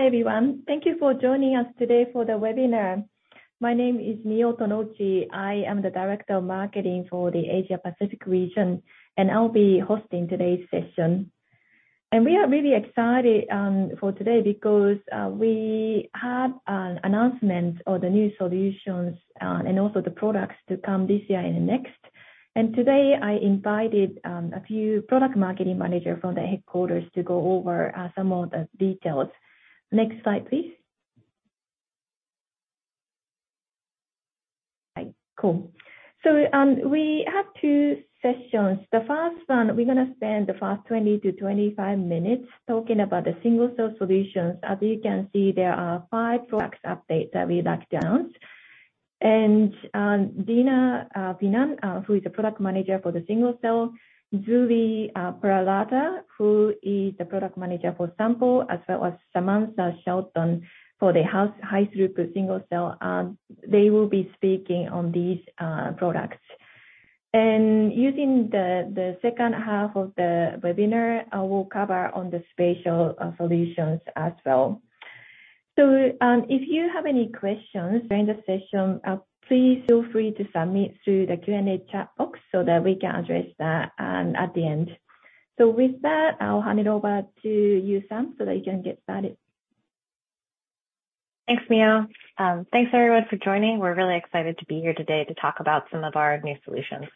Hi, everyone. Thank you for joining us today for the webinar. My name is Mio Tonouchi. I am the director of marketing for the Asia Pacific region, and I'll be hosting today's session. We are really excited for today because we have an announcement of the new solutions and also the products to come this year and next. Today I invited a few product marketing manager from the headquarters to go over some of the details. Next slide, please. Okay, cool. We have two sessions. The first one, we're gonna spend the first 20-25 minutes talking about the single-cell solutions. As you can see, there are five products updates that we break down. Dina Finan, who is the product manager for the single cell, Zuly Peralta, who is the product manager for Spatial, as well as Samantha Shelton for the high-throughput single cell, they will be speaking on these products. Using the second half of the webinar, I will cover on the spatial solutions as well. If you have any questions during the session, please feel free to submit through the Q&A chat box so that we can address that at the end. With that, I'll hand it over to you, Sam, so that you can get started. Thanks, Mio. Thanks everyone for joining. We're really excited to be here today to talk about some of our new solutions.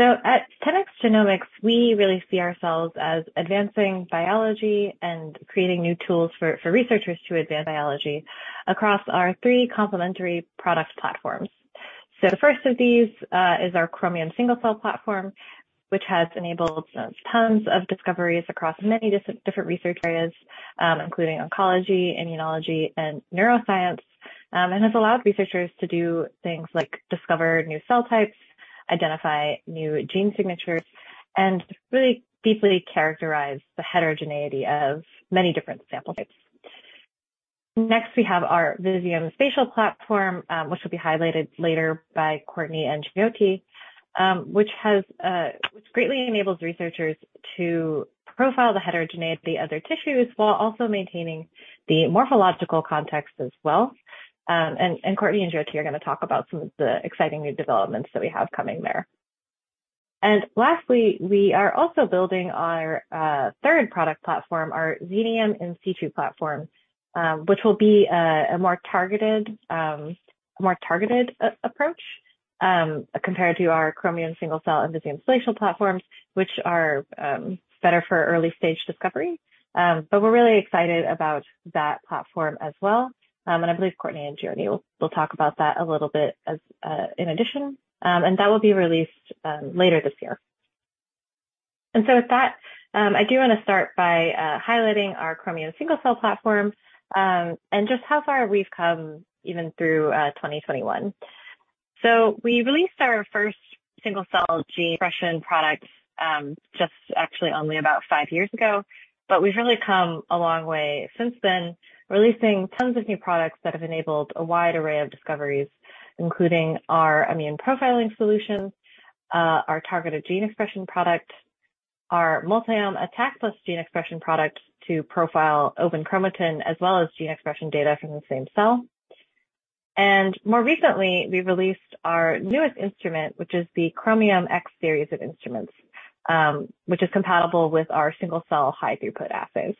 At 10x Genomics, we really see ourselves as advancing biology and creating new tools for researchers to advance biology across our three complementary product platforms. The first of these is our Chromium single-cell platform, which has enabled tons of discoveries across many different research areas, including oncology, immunology, and neuroscience and has allowed researchers to do things like discover new cell types, identify new gene signatures, and really deeply characterize the heterogeneity of many different sample types. Next, we have our Visium spatial platform, which will be highlighted later by Courtney and Jyoti, which greatly enables researchers to profile the heterogeneity of their tissues while also maintaining the morphological context as well. Courtney and Jyoti are gonna talk about some of the exciting new developments that we have coming there. Lastly, we are also building our third product platform, our Xenium In Situ Platform, which will be a more targeted approach compared to our Chromium Single Cell and Visium Spatial platforms, which are better for early-stage discovery. We're really excited about that platform as well. I believe Courtney and Jyoti will talk about that a little bit as an addition. That will be released later this year. With that, I do wanna start by highlighting our Chromium Single Cell platform and just how far we've come even through 2021. We released our first single-cell gene expression product, just actually only about five years ago, but we've really come a long way since then, releasing tons of new products that have enabled a wide array of discoveries, including our immune profiling solution, our targeted gene expression product, our Multiome ATAC + Gene Expression product to profile open chromatin as well as gene expression data from the same cell. More recently, we released our newest instrument, which is the Chromium X series of instruments, which is compatible with our single-cell high-throughput assays.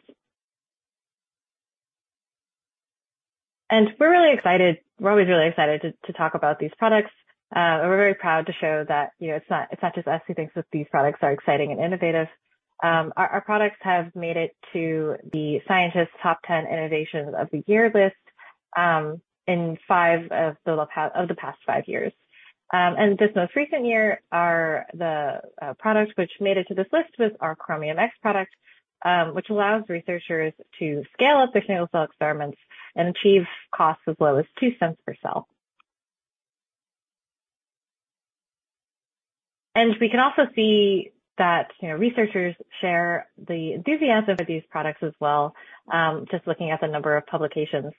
We're really excited. We're always really excited to talk about these products. We're very proud to show that, you know, it's not just us who thinks that these products are exciting and innovative. Our products have made it to The Scientist's Top 10 Innovations of the year list in five of the last five years. This most recent year, the product which made it to this list was our Chromium X product, which allows researchers to scale up their single-cell experiments and achieve costs as low as $0.02 per cell. We can also see that, you know, researchers share the enthusiasm of these products as well, just looking at the number of publications.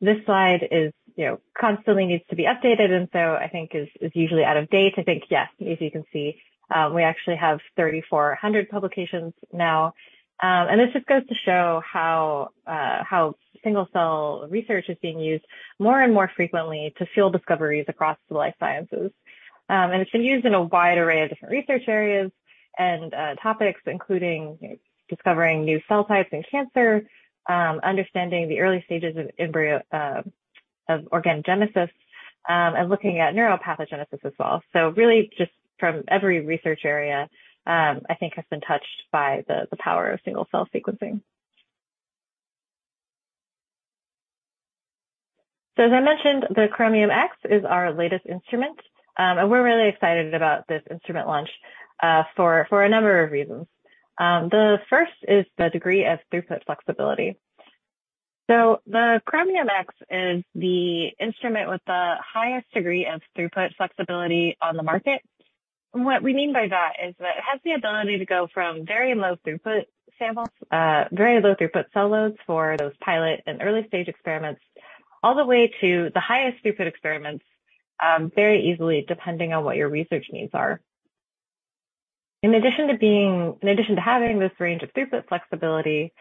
This slide, you know, constantly needs to be updated and so I think is usually out of date. I think, yes, as you can see, we actually have 3,400 publications now. This just goes to show how single-cell research is being used more and more frequently to fuel discoveries across the life sciences. It's been used in a wide array of different research areas and topics including discovering new cell types in cancer, understanding the early stages of embryogenesis, and looking at neuropathogenesis as well. Really just from every research area, I think has been touched by the power of single-cell sequencing. As I mentioned, the Chromium X is our latest instrument. We're really excited about this instrument launch for a number of reasons. The first is the degree of throughput flexibility. The Chromium X is the instrument with the highest degree of throughput flexibility on the market. What we mean by that is that it has the ability to go from very low throughput samples, very low throughput cell loads for those pilot and early-stage experiments, all the way to the highest throughput experiments, very easily depending on what your research needs are. In addition to having this range of throughput flexibility,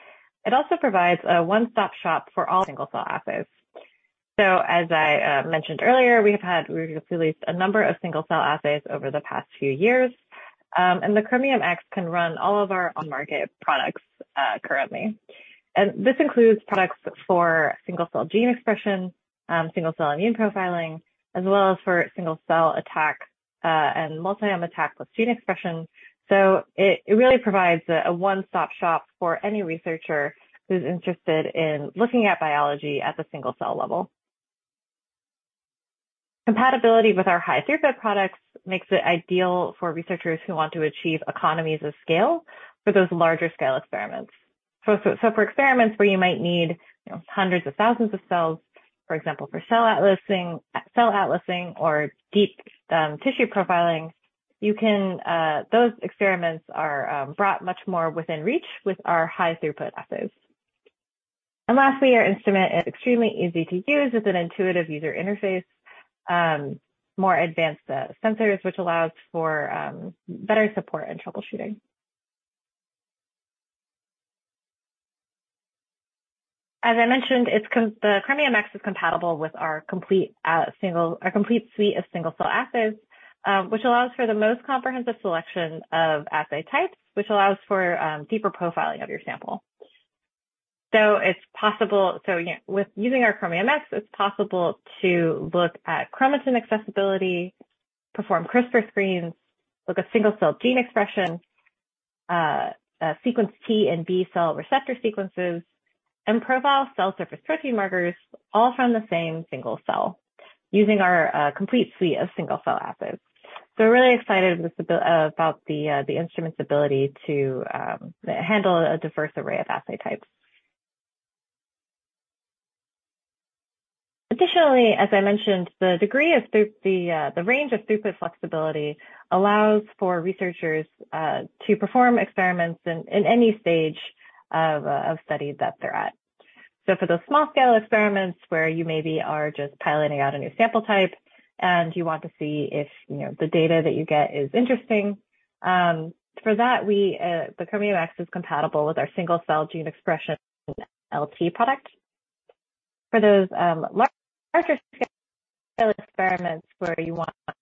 it also provides a one-stop shop for all single-cell assays. As I mentioned earlier, we've released a number of single-cell assays over the past few years. The Chromium X can run all of our on-market products currently. This includes products for single-cell gene expression, single-cell immune profiling, as well as for single-cell ATAC, and Multiome ATAC with gene expression. It really provides a one-stop shop for any researcher who's interested in looking at biology at the single-cell level. Compatibility with our high-throughput products makes it ideal for researchers who want to achieve economies of scale for those larger scale experiments. For experiments where you might need, you know, hundreds of thousands of cells, for example, for cell atlas, cell atlas or deep tissue profiling, you can those experiments are brought much more within reach with our high-throughput assays. Lastly, our instrument is extremely easy to use with an intuitive user interface, more advanced sensors which allows for better support and troubleshooting. As I mentioned, the Chromium X is compatible with our complete single Our complete suite of single-cell assays, which allows for the most comprehensive selection of assay types, which allows for deeper profiling of your sample. With using our Chromium X, it's possible to look at chromatin accessibility, perform CRISPR screens, look at single-cell gene expression, sequence T and B-cell receptor sequences, and profile cell surface protein markers all from the same single cell using our complete suite of single-cell assays. We're really excited about the instrument's ability to handle a diverse array of assay types. Additionally, as I mentioned, the range of throughput flexibility allows for researchers to perform experiments in any stage of study that they're at. For those small scale experiments where you maybe are just piloting out a new sample type and you want to see if, you know, the data that you get is interesting, for that we, the Chromium X is compatible with our Single Cell Gene Expression LT product. For those larger scale experiments where you want to,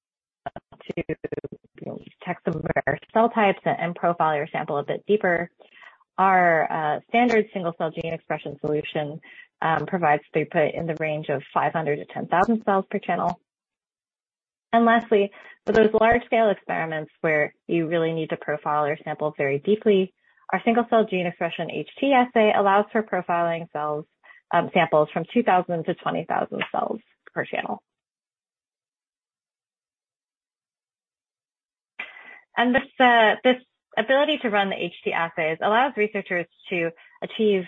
you know, test over cell types and profile your sample a bit deeper, our standard Single Cell Gene Expression solution provides throughput in the range of 500-10,000 cells per channel. Lastly, for those large scale experiments where you really need to profile your samples very deeply, our Single Cell Gene Expression HT assay allows for profiling cells, samples from 2,000-20,000 cells per channel. This ability to run the HT assays allows researchers to achieve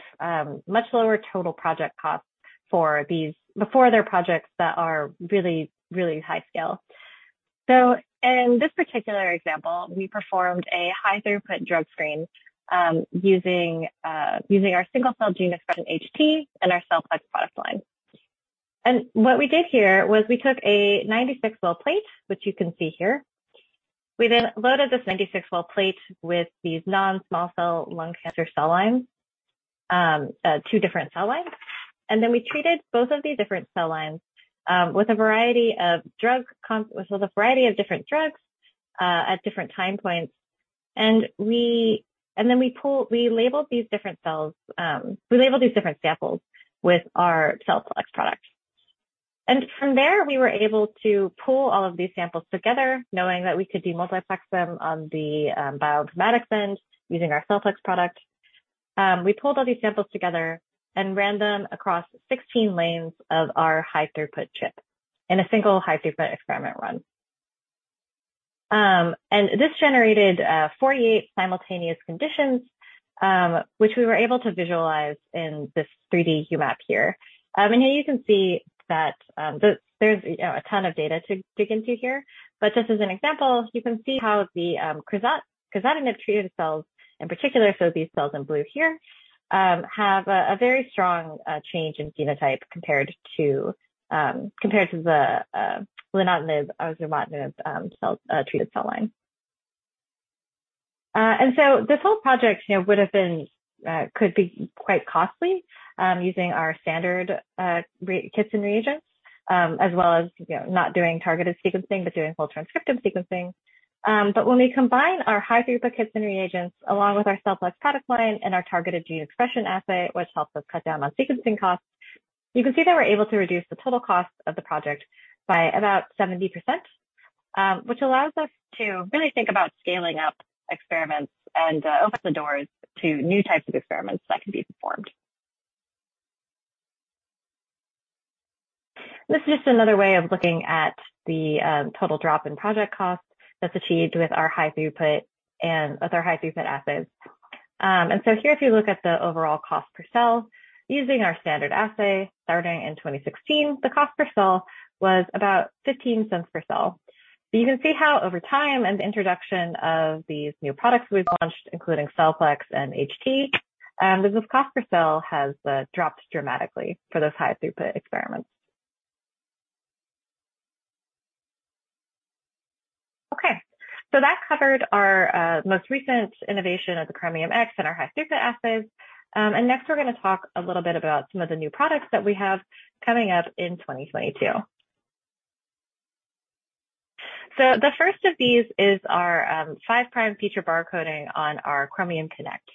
much lower total project costs for their projects that are really high scale. In this particular example, we performed a high-throughput drug screen using our single-cell gene expression HT and our CellPlex product line. What we did here was we took a 96-well plate, which you can see here. We then loaded this 96-well plate with these non-small cell lung cancer cell lines, two different cell lines. We treated both of these different cell lines with a variety of different drugs at different time points. We pooled these different samples with our CellPlex product. From there we were able to pool all of these samples together knowing that we could do multiplex them on the bioinformatics end using our CellPlex product. We pooled all these samples together and ran them across 16 lanes of our high-throughput chip in a single high-throughput experiment run. This generated 48 simultaneous conditions, which we were able to visualize in this 3-D UMAP here. Here you can see that, the, there's, you know, a ton of data to dig into here, but just as an example, you can see how the crizotinib treated cells in particular, so these cells in blue here, have a very strong change in phenotype compared to the ponatinib, ozanimod cell treated cell line. This whole project, you know, could be quite costly using our standard kits and reagents as well as, you know, not doing targeted sequencing but doing whole transcriptome sequencing. When we combine our high-throughput kits and reagents along with our CellPlex product line and our targeted gene expression assay, which helps us cut down on sequencing costs, you can see that we're able to reduce the total cost of the project by about 70%. Which allows us to really think about scaling up experiments and open the doors to new types of experiments that can be performed. This is just another way of looking at the total drop in project costs that's achieved with our high-throughput assays. Here if you look at the overall cost per cell using our standard assay starting in 2016, the cost per cell was about $0.15 per cell. You can see how over time and the introduction of these new products we've launched, including CellPlex and HT, this cost per cell has dropped dramatically for those high-throughput experiments. That covered our most recent innovation of the Chromium X and our high-throughput assays. Next we're gonna talk a little bit about some of the new products that we have coming up in 2022. The first of these is our five' feature barcoding on our Chromium Connect.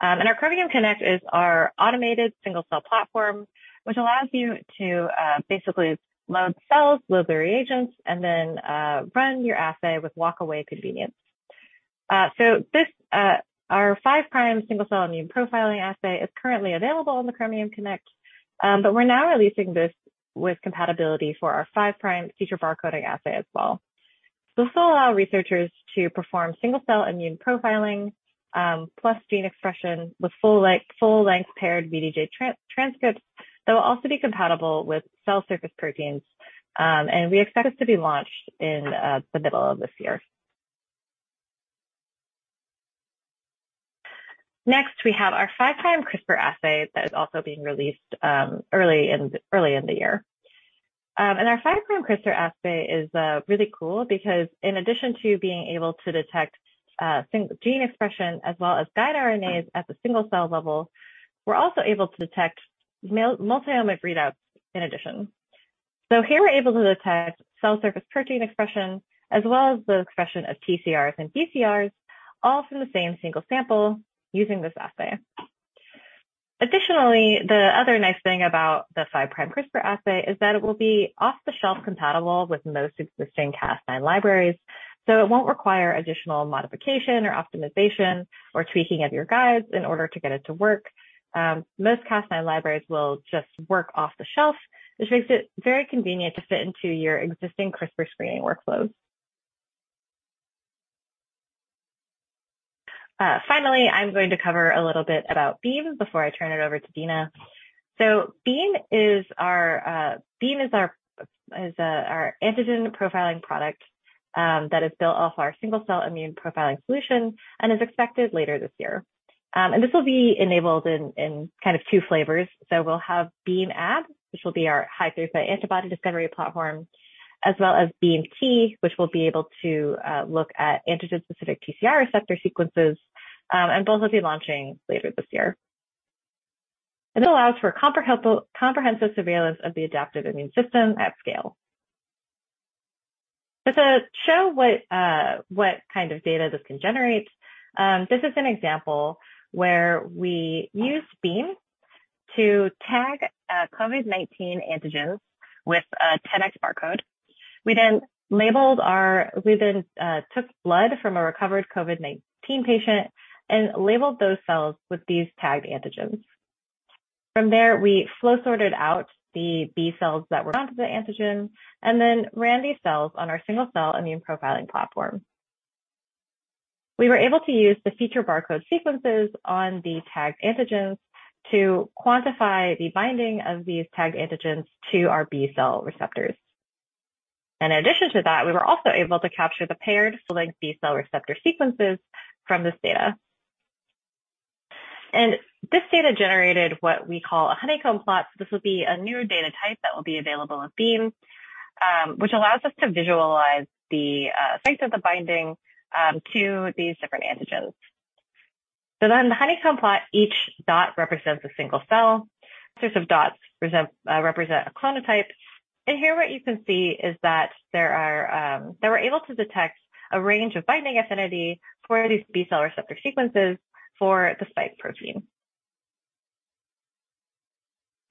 Our Chromium Connect is our automated single-cell platform, which allows you to basically load cells, load their reagents, and then run your assay with walk-away convenience. This is our five' single-cell immune profiling assay is currently available on the Chromium Connect, but we're now releasing this with compatibility for our five' feature barcoding assay as well. This will allow researchers to perform single-cell immune profiling plus gene expression with full, like, full-length paired VDJ transcripts that will also be compatible with cell surface proteins. We expect this to be launched in the middle of this year. Next, we have our five' CRISPR assay that is also being released early in the year. Our five' CRISPR assay is really cool because in addition to being able to detect gene expression as well as guide RNAs at the single-cell level, we're also able to detect multi-omic readouts in addition. Here we're able to detect cell surface protein expression as well as the expression of TCRs and BCRs, all from the same single sample using this assay. Additionally, the other nice thing about the five' CRISPR assay is that it will be off-the-shelf compatible with most existing Cas9 libraries, so it won't require additional modification or optimization or tweaking of your guides in order to get it to work. Most Cas9 libraries will just work off the shelf, which makes it very convenient to fit into your existing CRISPR screening workflows. Finally, I'm going to cover a little bit about BEAM before I turn it over to Dina. BEAM is our antigen profiling product that is built off our single-cell immune profiling solution and is expected later this year. This will be enabled in kind of two flavors. We'll have BEAM-Ab, which will be our high-throughput antibody discovery platform, as well as BEAM-T, which will be able to look at antigen-specific TCR receptor sequences. Both will be launching later this year. It allows for comprehensive surveillance of the adaptive immune system at scale. To show what kind of data this can generate, this is an example where we used BEAM to tag COVID-19 antigens with a 10x barcode. We then took blood from a recovered COVID-19 patient and labeled those cells with these tagged antigens. From there, we flow sorted out the B cells that were onto the antigen and then ran these cells on our single-cell immune profiling platform. We were able to use the feature barcode sequences on the tagged antigens to quantify the binding of these tagged antigens to our B-cell receptors. In addition to that, we were also able to capture the paired full-length B-cell receptor sequences from this data. This data generated what we call a honeycomb plot. This would be a new data type that will be available in BEAM, which allows us to visualize the strength of the binding to these different antigens. The honeycomb plot, each dot represents a single cell. Clusters of dots represent a clonotype. Here what you can see is that there are, that we're able to detect a range of binding affinity for these B-cell receptor sequences for the spike protein.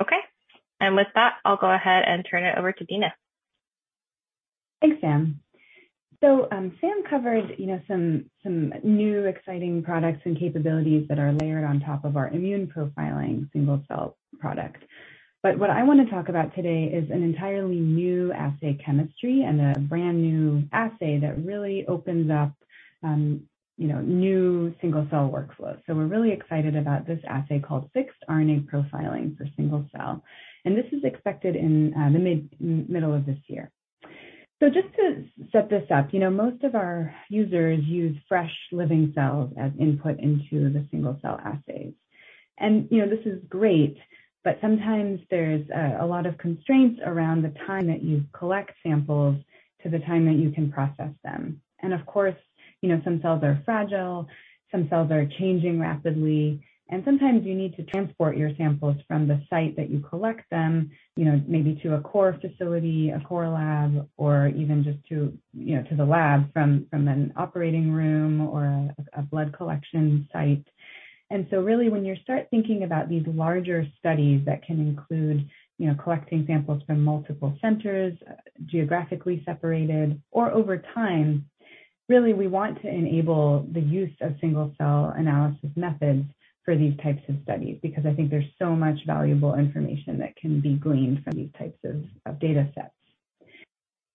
Okay, with that I'll go ahead and turn it over to Dina. Thanks, Sam. Sam covered, you know, some new exciting products and capabilities that are layered on top of our immune profiling single-cell product. What I want to talk about today is an entirely new assay chemistry and a brand-new assay that really opens up, you know, new single-cell workflows. We're really excited about this assay called Fixed RNA Profiling for single cell, and this is expected in the middle of this year. Just to set this up, you know, most of our users use fresh living cells as input into the single-cell assays. This is great, but sometimes there's a lot of constraints around the time that you collect samples to the time that you can process them. Of course, you know, some cells are fragile, some cells are changing rapidly, and sometimes you need to transport your samples from the site that you collect them, you know, maybe to a core facility, a core lab, or even just to, you know, to the lab from an operating room or a blood collection site. Really when you start thinking about these larger studies that can include, you know, collecting samples from multiple centers, geographically separated or over time, really, we want to enable the use of single-cell analysis methods for these types of studies, because I think there's so much valuable information that can be gleaned from these types of data sets.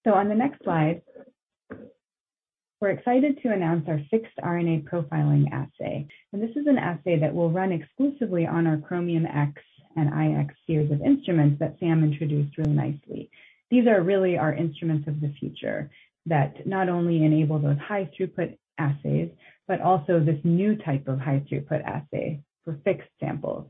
On the next slide, we're excited to announce our Fixed RNA Profiling assay. This is an assay that will run exclusively on our Chromium X and iX series of instruments that Sam introduced really nicely. These are really our instruments of the future that not only enable those high-throughput assays, but also this new type of high-throughput assay for fixed samples.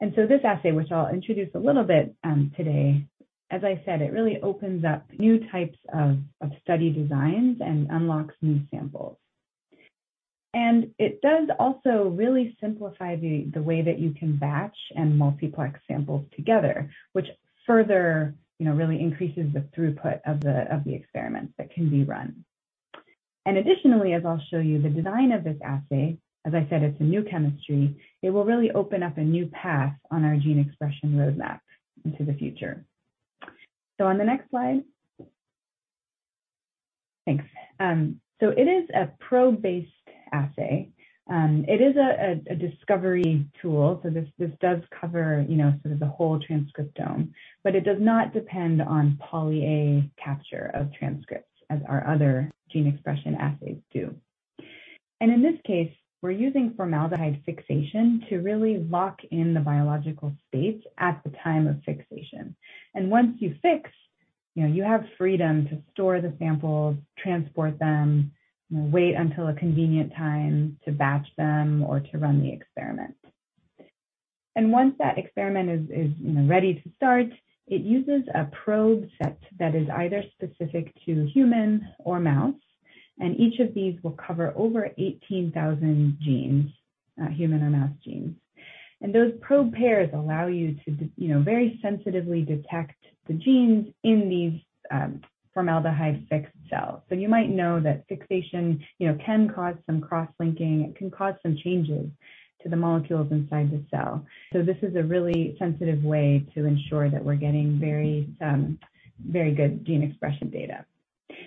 This assay, which I'll introduce a little bit, today, as I said, it really opens up new types of study designs and unlocks new samples. It does also really simplify the way that you can batch and multiplex samples together, which further, you know, really increases the throughput of the experiments that can be run. Additionally, as I'll show you, the design of this assay, as I said, it's a new chemistry. It will really open up a new path on our gene expression roadmap into the future. On the next slide. Thanks. It is a probe-based assay. It is a discovery tool. This does cover, you know, sort of the whole transcriptome, but it does not depend on poly-A capture of transcripts as our other gene expression assays do. In this case, we're using formaldehyde fixation to really lock in the biological state at the time of fixation. Once you fix, you know, you have freedom to store the samples, transport them, you know, wait until a convenient time to batch them or to run the experiment. Once that experiment is, you know, ready to start, it uses a probe set that is either specific to humans or mouse, and each of these will cover over 18,000 genes, human or mouse genes. Those probe pairs allow you to, you know, very sensitively detect the genes in these, formaldehyde fixed cells. You might know that fixation, you know, can cause some cross-linking. It can cause some changes to the molecules inside the cell. This is a really sensitive way to ensure that we're getting very, very good gene expression data.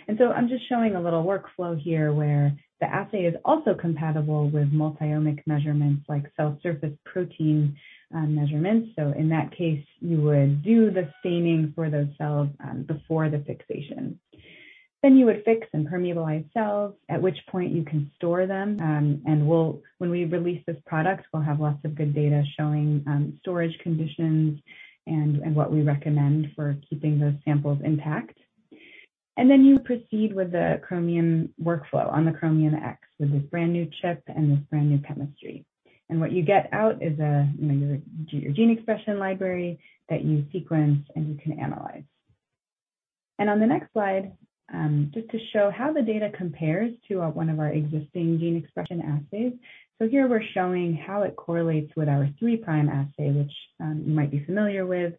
I'm just showing a little workflow here where the assay is also compatible with multi-omic measurements like cell surface protein measurements. In that case, you would do the staining for those cells, before the fixation. You would fix and permeabilize cells, at which point you can store them. When we release this product, we'll have lots of good data showing storage conditions and what we recommend for keeping those samples intact. Then you proceed with the Chromium workflow on the Chromium X with this brand-new chip and this brand-new chemistry. What you get out is a your gene expression library that you sequence and you can analyze. On the next slide, just to show how the data compares to one of our existing gene expression assays. Here we're showing how it correlates with our three' assay, which you might be familiar with.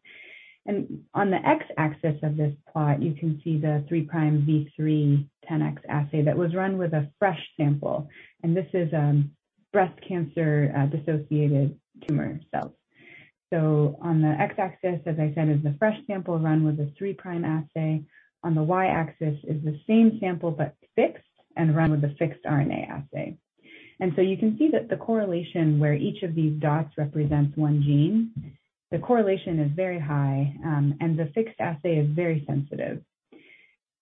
On the X-axis of this plot, you can see the three' v3 10x assay that was run with a fresh sample. This is breast cancer dissociated tumor cells. On the X-axis, as I said, is the fresh sample run with a three' assay. On the Y-axis is the same sample but fixed and run with a Fixed RNA assay. You can see that the correlation where each of these dots represents one gene, the correlation is very high, and the fixed assay is very sensitive.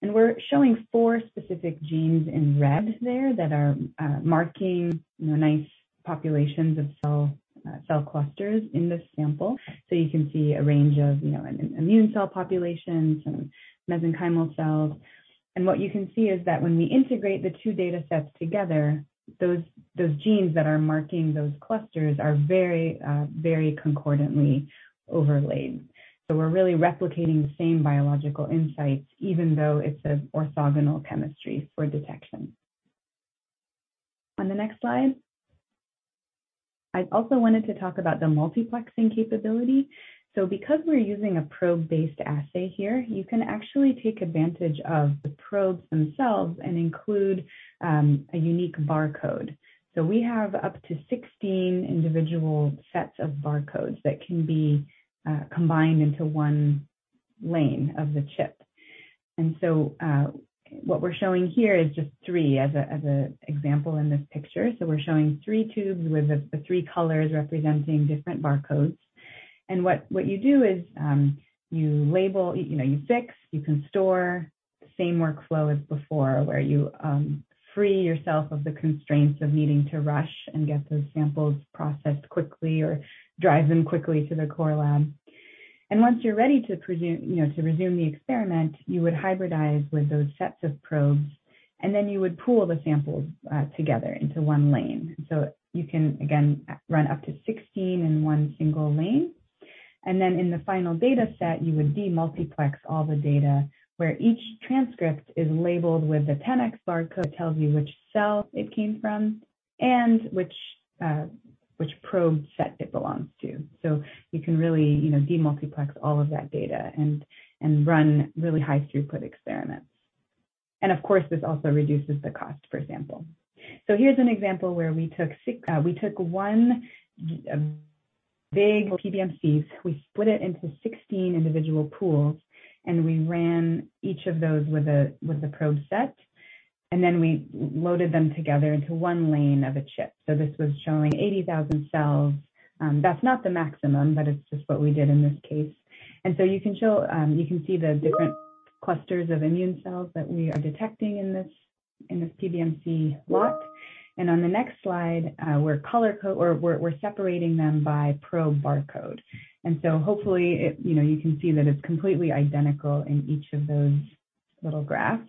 We're showing four specific genes in red there that are marking nice populations of cell clusters in this sample. You can see a range of an immune cell populations and mesenchymal cells. What you can see is that when we integrate the two data sets together, those genes that are marking those clusters are very concordantly overlaid. We're really replicating the same biological insights, even though it's an orthogonal chemistry for detection. On the next slide, I also wanted to talk about the multiplexing capability. Because we're using a probe-based assay here, you can actually take advantage of the probes themselves and include a unique barcode. We have up to 16 individual sets of barcodes that can be combined into one lane of the chip. What we're showing here is just three as an example in this picture. We're showing three tubes with the three colors representing different barcodes. What you do is you label, you know, you fix, you can store same workflow as before, where you free yourself of the constraints of needing to rush and get those samples processed quickly or drive them quickly to the core lab. Once you're ready to, you know, resume the experiment, you would hybridize with those sets of probes, and then you would pool the samples together into one lane. You can, again, run up to 16 in one single lane. Then in the final data set, you would demultiplex all the data where each transcript is labeled with a 10x barcode, tells you which cell it came from and which probe set it belongs to. You can really, you know, demultiplex all of that data and run really high throughput experiments. Of course, this also reduces the cost for example. Here's an example where we took a big PBMCs. We split it into 16 individual pools, and we ran each of those with a probe set, and then we loaded them together into one lane of a chip. This was showing 80,000 cells. That's not the maximum, but it's just what we did in this case. You can see the different clusters of immune cells that we are detecting in this PBMC lot. On the next slide, we're separating them by probe barcode. Hopefully it, you know, you can see that it's completely identical in each of those little graphs.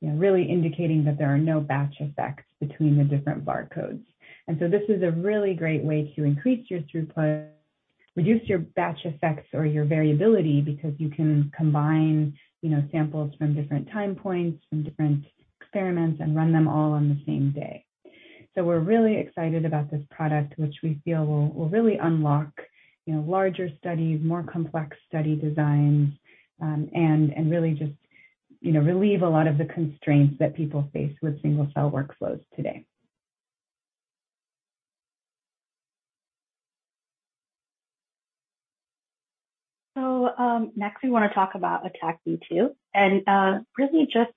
You know, really indicating that there are no batch effects between the different barcodes. This is a really great way to increase your throughput, reduce your batch effects or your variability because you can combine, you know, samples from different time points, from different experiments and run them all on the same day. We're really excited about this product, which we feel will really unlock, you know, larger studies, more complex study designs, and really just, you know, relieve a lot of the constraints that people face with single-cell workflows today. Next, we wanna talk about ATAC v2. Really just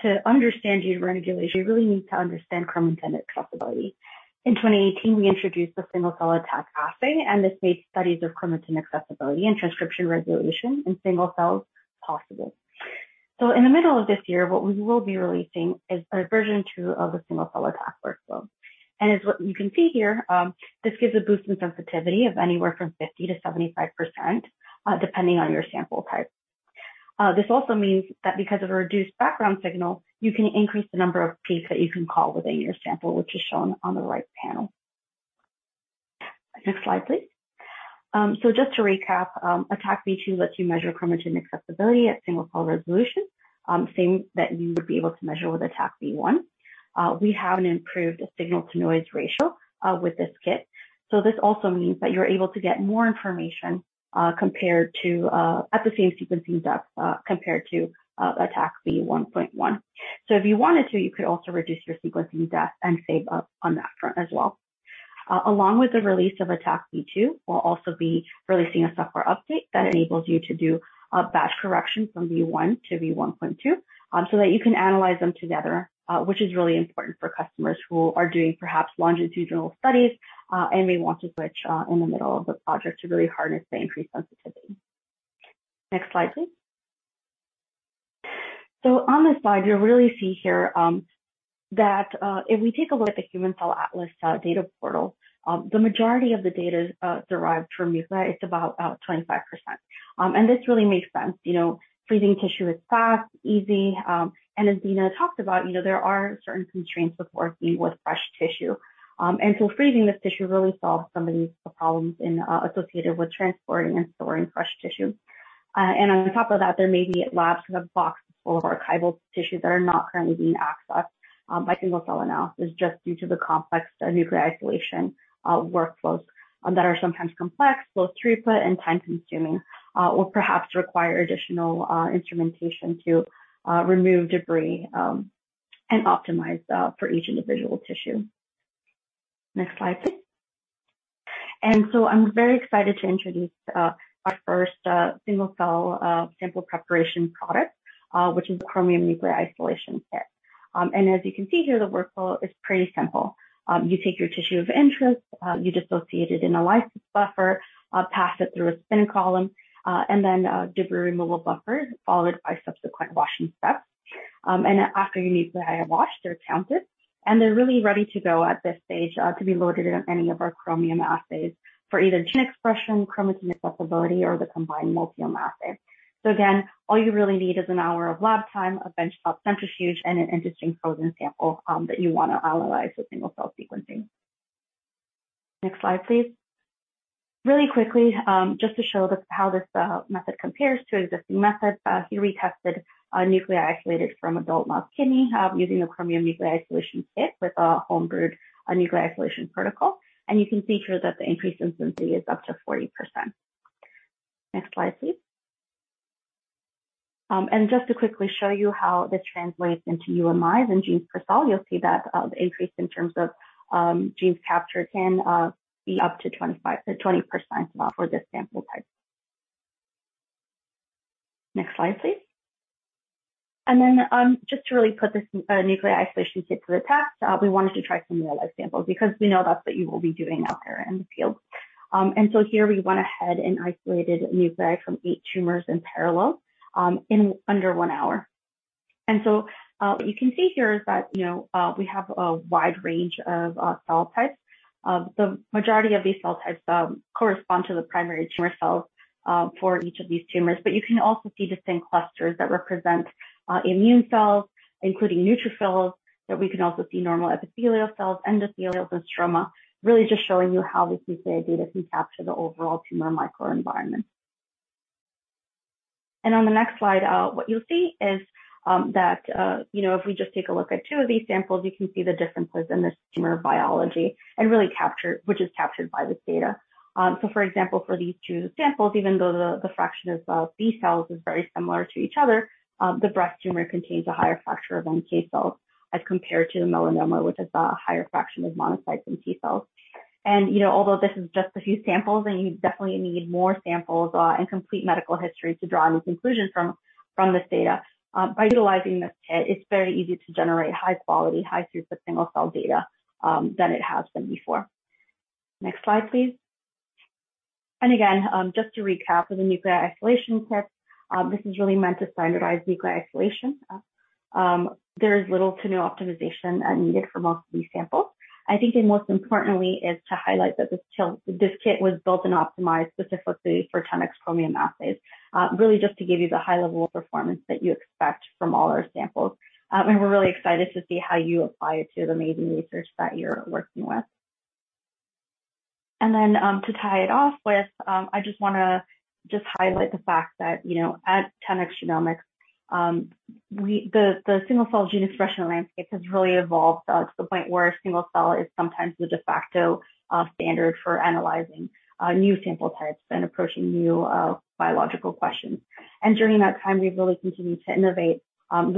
to understand gene regulation, you really need to understand chromatin accessibility. In 2018, we introduced the single-cell ATAC assay, and this made studies of chromatin accessibility and transcription regulation in single cells possible. In the middle of this year, what we will be releasing is a version two of the single-cell ATAC workflow. As you can see here, this gives a boost in sensitivity of anywhere from 50%-75%, depending on your sample type. This also means that because of a reduced background signal, you can increase the number of peaks that you can call within your sample, which is shown on the right panel. Next slide, please. Just to recap, ATAC v2 lets you measure chromatin accessibility at single-cell resolution, same that you would be able to measure with ATAC v1. We have an improved signal-to-noise ratio with this kit. This also means that you're able to get more information compared to at the same sequencing depth compared to ATAC v1.1. If you wanted to, you could also reduce your sequencing depth and save up on that front as well. Along with the release of ATAC v2, we'll also be releasing a software update that enables you to do batch correction from V1 to V1.2, so that you can analyze them together, which is really important for customers who are doing perhaps longitudinal studies, and may want to switch in the middle of the project to really harness the increased sensitivity. Next slide, please. On this slide, you'll really see here that if we take a look at the Human Cell Atlas data portal, the majority of the data is derived from nuclei. It's about 25%. This really makes sense. You know, freezing tissue is fast, easy, and as Dina talked about, you know, there are certain constraints of working with fresh tissue. Freezing this tissue really solves some of these problems associated with transporting and storing fresh tissue. On top of that, there may be labs with boxes full of archival tissue that are not currently being accessed by single-cell analysis just due to the complex nuclei isolation workflows that are sometimes complex, low throughput and time-consuming or perhaps require additional instrumentation to remove debris and optimize for each individual tissue. Next slide, please. I'm very excited to introduce our first single-cell sample preparation product, which is the Chromium Nuclei Isolation Kit. As you can see here, the workflow is pretty simple. You take your tissue of interest, you dissociate it in a lysis buffer, pass it through a spin column, and then a debris removal buffer followed by subsequent washing steps. After your nuclei are washed, they're counted, and they're really ready to go at this stage to be loaded on any of our Chromium assays for either gene expression, chromatin accessibility, or the combined Multiome assay. Again, all you really need is an hour of lab time, a benchtop centrifuge, and an interesting frozen sample that you wanna analyze with single-cell sequencing. Next slide, please. Really quickly, just to show this, how this method compares to existing methods. Here we tested nuclei isolated from adult mouse kidney using the Chromium Nuclei Isolation Kit with a home-brewed nuclei isolation protocol. You can see here that the increase in sensitivity is up to 40%. Next slide, please. Just to quickly show you how this translates into UMIs and genes per cell, you'll see that the increase in terms of genes captured can be up to 25, 20% for this sample type. Next slide, please. Just to really put this nuclei isolation kit to the test, we wanted to try some real-life samples because we know that's what you will be doing out there in the field. Here we went ahead and isolated nuclei from eight tumors in parallel, in under one hour. What you can see here is that, you know, we have a wide range of cell types. The majority of these cell types correspond to the primary tumor cells for each of these tumors. You can also see distinct clusters that represent immune cells, including neutrophils that we can also see normal epithelial cells, endothelial, and stroma, really just showing you how this nuclei data can capture the overall tumor microenvironment. On the next slide, what you'll see is that if we just take a look at two of these samples, you can see the differences in this tumor biology and really captured by this data. For example, for these two samples, even though the fraction of B cells is very similar to each other, the breast tumor contains a higher fraction of NK cells as compared to the melanoma, which has a higher fraction of monocytes and T cells. You know, although this is just a few samples, and you definitely need more samples, and complete medical history to draw any conclusions from this data, by utilizing this kit, it's very easy to generate high-quality, high-throughput single-cell data than it has been before. Next slide, please. Again, just to recap, for the nuclei isolation kit, this is really meant to standardize nuclei isolation. There is little to no optimization needed for most of these samples. I think the most importantly is to highlight that this kit was built and optimized specifically for 10x Chromium assays, really just to give you the high level of performance that you expect from all our samples. We're really excited to see how you apply it to the amazing research that you're working with. To tie it off with, I just wanna highlight the fact that, you know, at 10x Genomics, the single-cell gene expression landscape has really evolved to the point where single-cell is sometimes the de facto standard for analyzing new sample types and approaching new biological questions. During that time, we've really continued to innovate,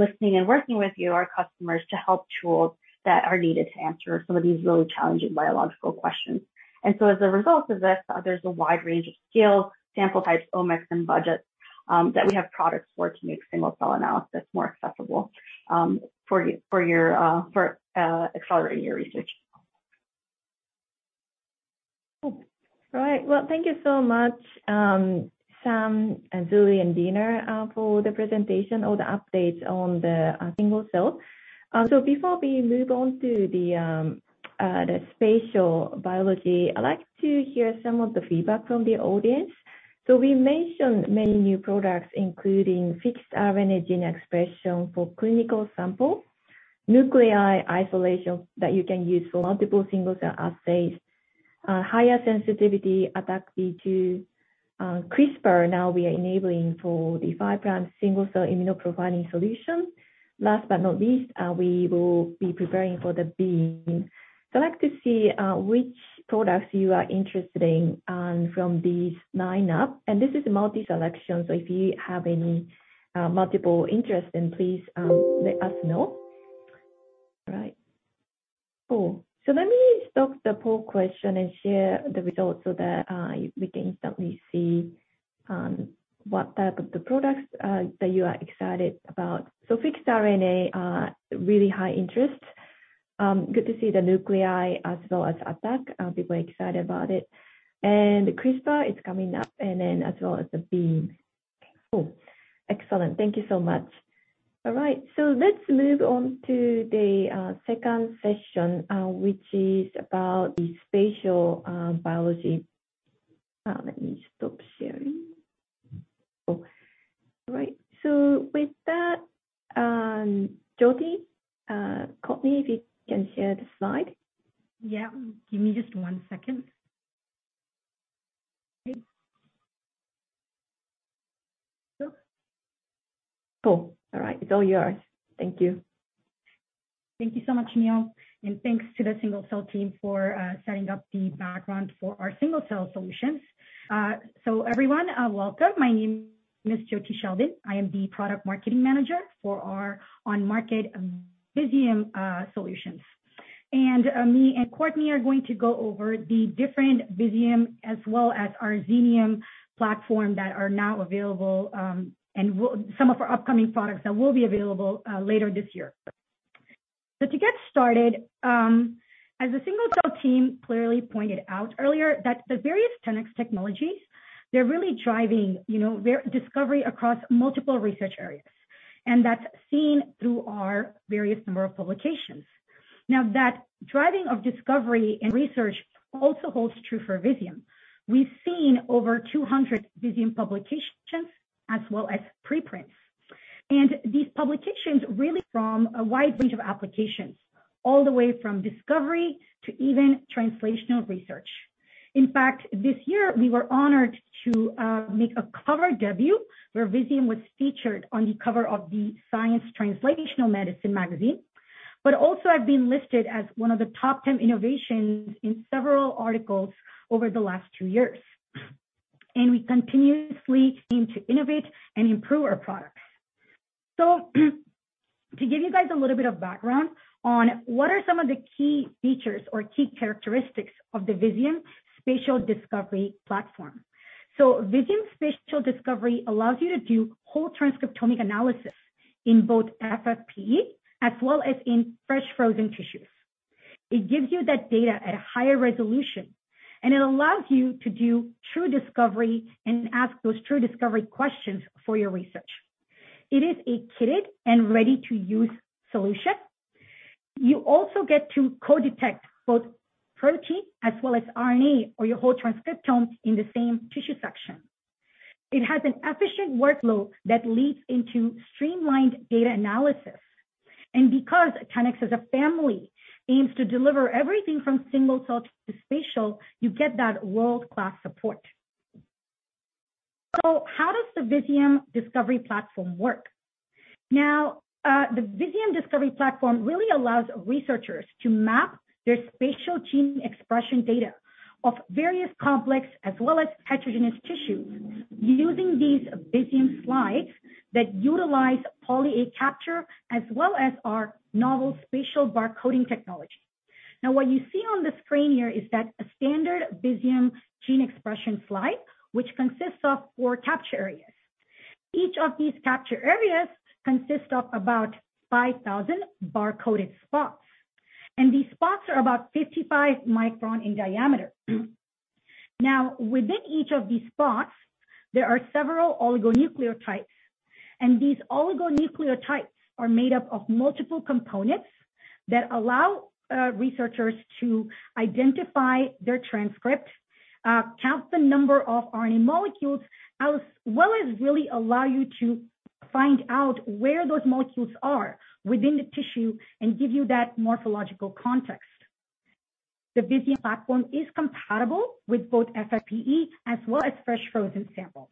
listening and working with you, our customers, to help tools that are needed to answer some of these really challenging biological questions. As a result of this, there's a wide range of scales, sample types, 'omics, and budgets that we have products for to make single-cell analysis more accessible for accelerating your research. Cool. All right. Well, thank you so much, Sam and Zuly and Dina, for the presentation or the updates on the single-cell. Before we move on to the spatial biology, I'd like to hear some of the feedback from the audience. We mentioned many new products including fixed RNA gene expression for clinical sample, nuclei isolation that you can use for multiple single-cell assays, higher sensitivity ATAC v2, CRISPR now we are enabling for the five' single-cell immunoprofiling solution, last but not least, we will be preparing for the BEAM. I'd like to see which products you are interested in from these nine up. This is a multi-selection, so if you have any multiple interests, then please let us know. All right. Cool. Let me stop the poll question and share the results so that we can instantly see what type of the products that you are excited about. Fixed RNA really high interest. Good to see the nuclei as well as ATAC. People are excited about it. CRISPR is coming up, and then as well as the Beam. Cool. Excellent. Thank you so much. All right, let's move on to the second session, which is about the spatial biology. Let me stop sharing. Cool. All right. With that, Jyoti, Courtney, if you can share the slide. Yeah. Give me just one second. Cool. All right. It's all yours. Thank you. Thank you so much, Mio. Thanks to the single-cell team for setting up the background for our single-cell solutions. Everyone, welcome. My name is Jyoti Sheldon. I am the product marketing manager for our on-market Visium solutions. Me and Courtney are going to go over the different Visium as well as our Xenium platform that are now available, and some of our upcoming products that will be available later this year. To get started, as the single-cell team clearly pointed out earlier that the various 10x technologies, they're really driving, you know, their discovery across multiple research areas. That's seen through our various number of publications. Now, that driving of discovery and research also holds true for Visium. We've seen over 200 Visium publications as well as preprints. These publications really from a wide range of applications, all the way from discovery to even translational research. In fact, this year we were honored to make a cover debut where Visium was featured on the cover of the Science Translational Medicine magazine, but also have been listed as one of the top 10 innovations in several articles over the last two years. We continuously aim to innovate and improve our products. To give you guys a little bit of background on what are some of the key features or key characteristics of the Visium Spatial Discovery platform. Visium Spatial Discovery allows you to do whole transcriptomic analysis in both FFPE as well as in fresh frozen tissues. It gives you that data at a higher resolution, and it allows you to do true discovery and ask those true discovery questions for your research. It is a kitted and ready-to-use solution. You also get to co-detect both protein as well as RNA or your whole transcriptome in the same tissue section. It has an efficient workflow that leads into streamlined data analysis. Because 10x as a family aims to deliver everything from single-cell to spatial, you get that world-class support. How does the Visium Discovery platform work? Now, the Visium Discovery platform really allows researchers to map their spatial gene expression data of various complex as well as heterogeneous tissues using these Visium slides that utilize poly capture as well as our novel spatial bar coding technology. Now, what you see on the screen here is that a standard Visium gene expression slide, which consists of four capture areas. Each of these capture areas consist of about 5,000 bar-coded spots, and these spots are about 55 micron in diameter. Now, within each of these spots, there are several oligonucleotides, and these oligonucleotides are made up of multiple components that allow researchers to identify their transcripts, count the number of RNA molecules, as well as really allow you to find out where those molecules are within the tissue and give you that morphological context. The Visium platform is compatible with both FFPE as well as fresh frozen samples.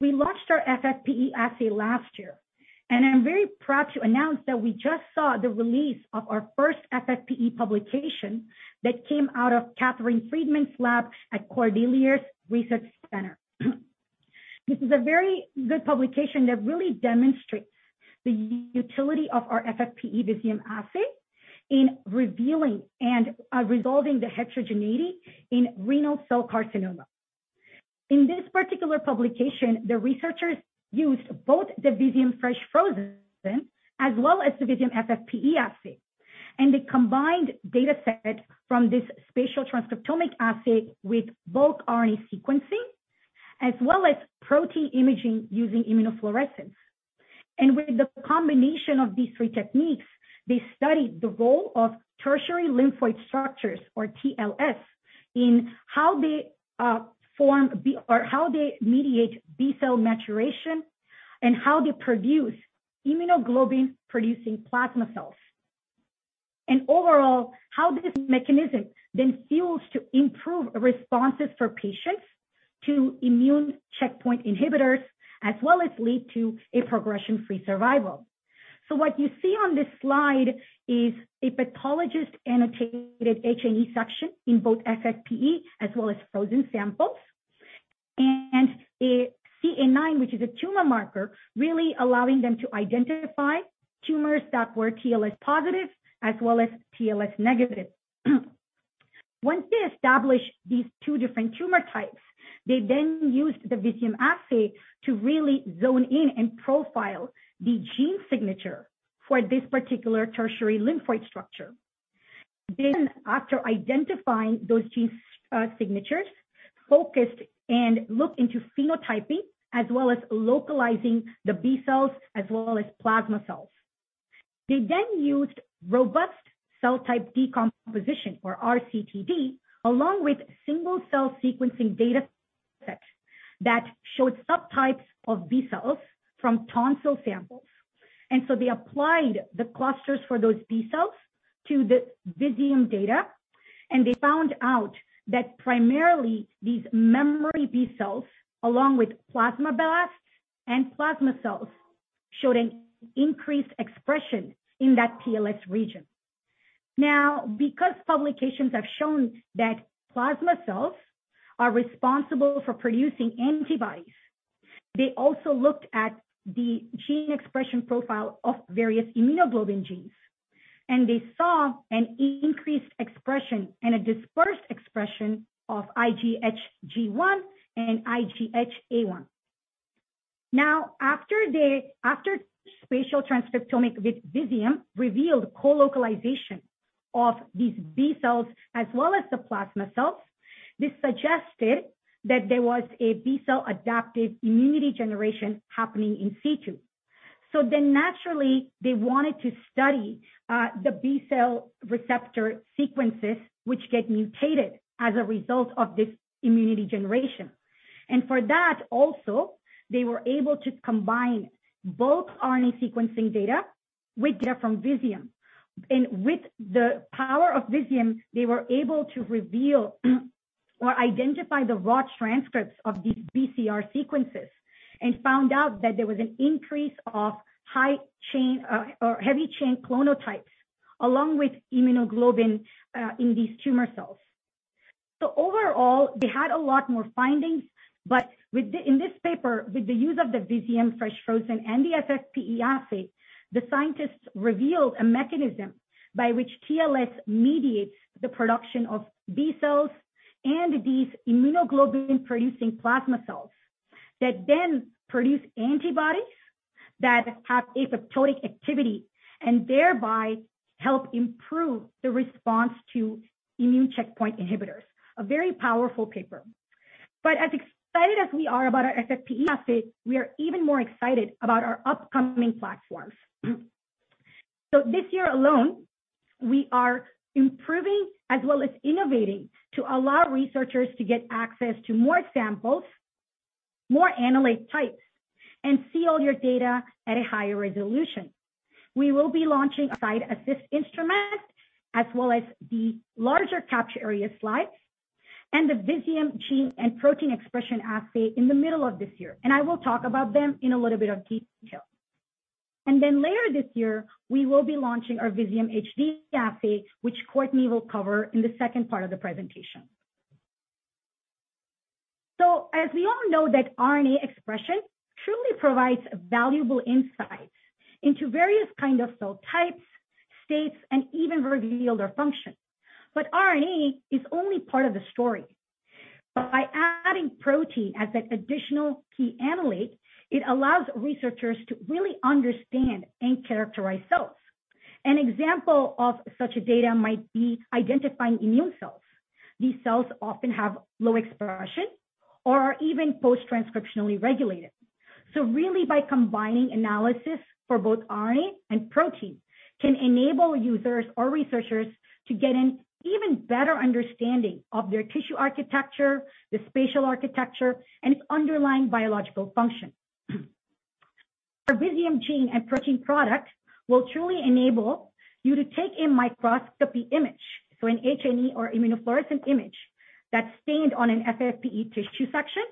We launched our FFPE assay last year, and I'm very proud to announce that we just saw the release of our first FFPE publication that came out of Catherine Sautès-Fridman's lab at Cordeliers Research Centre. This is a very good publication that really demonstrates the utility of our FFPE Visium assay in revealing and resolving the heterogeneity in renal cell carcinoma. In this particular publication, the researchers used both the Visium Fresh Frozen as well as the Visium FFPE assay, and they combined data set from this spatial transcriptomic assay with bulk RNA sequencing, as well as protein imaging using immunofluorescence. With the combination of these three techniques, they studied the role of tertiary lymphoid structures, or TLS, in how they form or how they mediate B-cell maturation and how they produce immunoglobulin-producing plasma cells. Overall, how this mechanism then fuels to improve responses for patients to immune checkpoint inhibitors as well as lead to a progression-free survival. What you see on this slide is a pathologist-annotated H&E section in both FFPE as well as frozen samples, and a CA9, which is a tumor marker, really allowing them to identify tumors that were TLS positive as well as TLS negative. Once they established these two different tumor types, they used the Visium assay to really zone in and profile the gene signature for this particular tertiary lymphoid structure. After identifying those gene signatures, they focused and looked into phenotyping as well as localizing the B cells as well as plasma cells. They used robust cell type decomposition, or RCTD, along with single-cell sequencing data sets that showed subtypes of B cells from tonsil samples. They applied the clusters for those B cells to the Visium data, and they found out that primarily these memory B cells, along with plasma blasts and plasma cells, showed an increased expression in that TLS region. Now, because publications have shown that plasma cells are responsible for producing antibodies, they also looked at the gene expression profile of various immunoglobulin genes, and they saw an increased expression and a dispersed expression of IGHG1 and IGHA1. Now, after spatial transcriptomic Visium revealed colocalization of these B cells as well as the plasma cells, this suggested that there was a B cell adaptive immunity generation happening in situ. Naturally, they wanted to study the B cell receptor sequences which get mutated as a result of this immunity generation. For that also, they were able to combine both RNA sequencing data with data from Visium. With the power of Visium, they were able to reveal or identify the raw transcripts of these BCR sequences and found out that there was an increase of heavy chain clonotypes along with immunoglobulin in these tumor cells. Overall, they had a lot more findings, but in this paper, with the use of the Visium fresh frozen and the FFPE assay, the scientists revealed a mechanism by which TLS mediates the production of B cells and these immunoglobulin-producing plasma cells that then produce antibodies that have apoptotic activity and thereby help improve the response to immune checkpoint inhibitors. A very powerful paper. As excited as we are about our FFPE assay, we are even more excited about our upcoming platforms. This year alone, we are improving as well as innovating to allow researchers to get access to more samples, more analyte types, and see all your data at a higher resolution. We will be launching a CytAssist instrument as well as the larger capture area slides and the Visium Gene and Protein Expression assay in the middle of this year, and I will talk about them in a little bit of detail. Later this year, we will be launching our Visium HD assay, which Courtney will cover in the second part of the presentation. As we all know that RNA expression truly provides valuable insights into various kind of cell types, states, and even reveal their function. RNA is only part of the story. By adding protein as an additional key analyte, it allows researchers to really understand and characterize cells. An example of such a data might be identifying immune cells. These cells often have low expression or are even post-transcriptionally regulated. Really by combining analysis for both RNA and protein can enable users or researchers to get an even better understanding of their tissue architecture, the spatial architecture, and its underlying biological function. Our Visium gene and protein product will truly enable you to take a microscopy image, so an H&E or immunofluorescence image that's stained on an FFPE tissue section,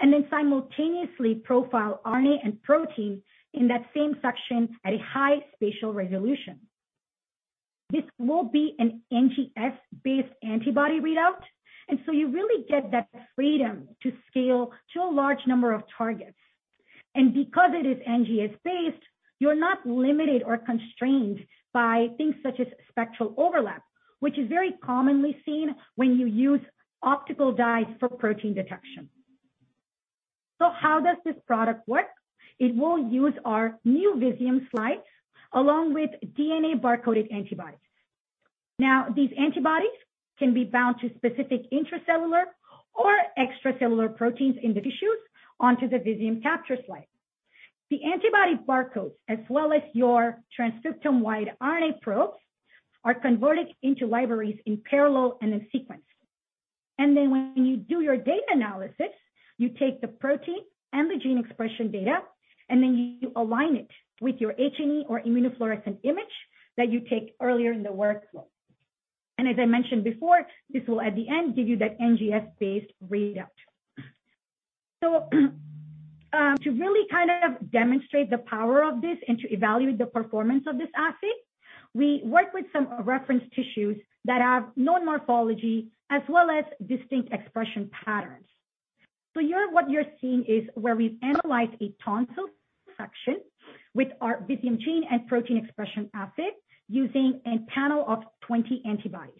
and then simultaneously profile RNA and protein in that same section at a high spatial resolution. This will be an NGS-based antibody readout, and so you really get that freedom to scale to a large number of targets. Because it is NGS-based, you're not limited or constrained by things such as spectral overlap, which is very commonly seen when you use optical dyes for protein detection. How does this product work? It will use our new Visium slides along with DNA bar-coded antibodies. Now, these antibodies can be bound to specific intracellular or extracellular proteins in the tissues onto the Visium capture slide. The antibody barcodes, as well as your transcriptome-wide RNA probes, are converted into libraries in parallel and in sequence. When you do your data analysis, you take the protein and the gene expression data, and then you align it with your H&E or immunofluorescence image that you take earlier in the workflow. As I mentioned before, this will at the end give you that NGS-based readout. To really kind of demonstrate the power of this and to evaluate the performance of this assay, we work with some reference tissues that have known morphology as well as distinct expression patterns. Here, what you're seeing is where we've analyzed a tonsil section with our Visium gene and protein expression assay using a panel of 20 antibodies.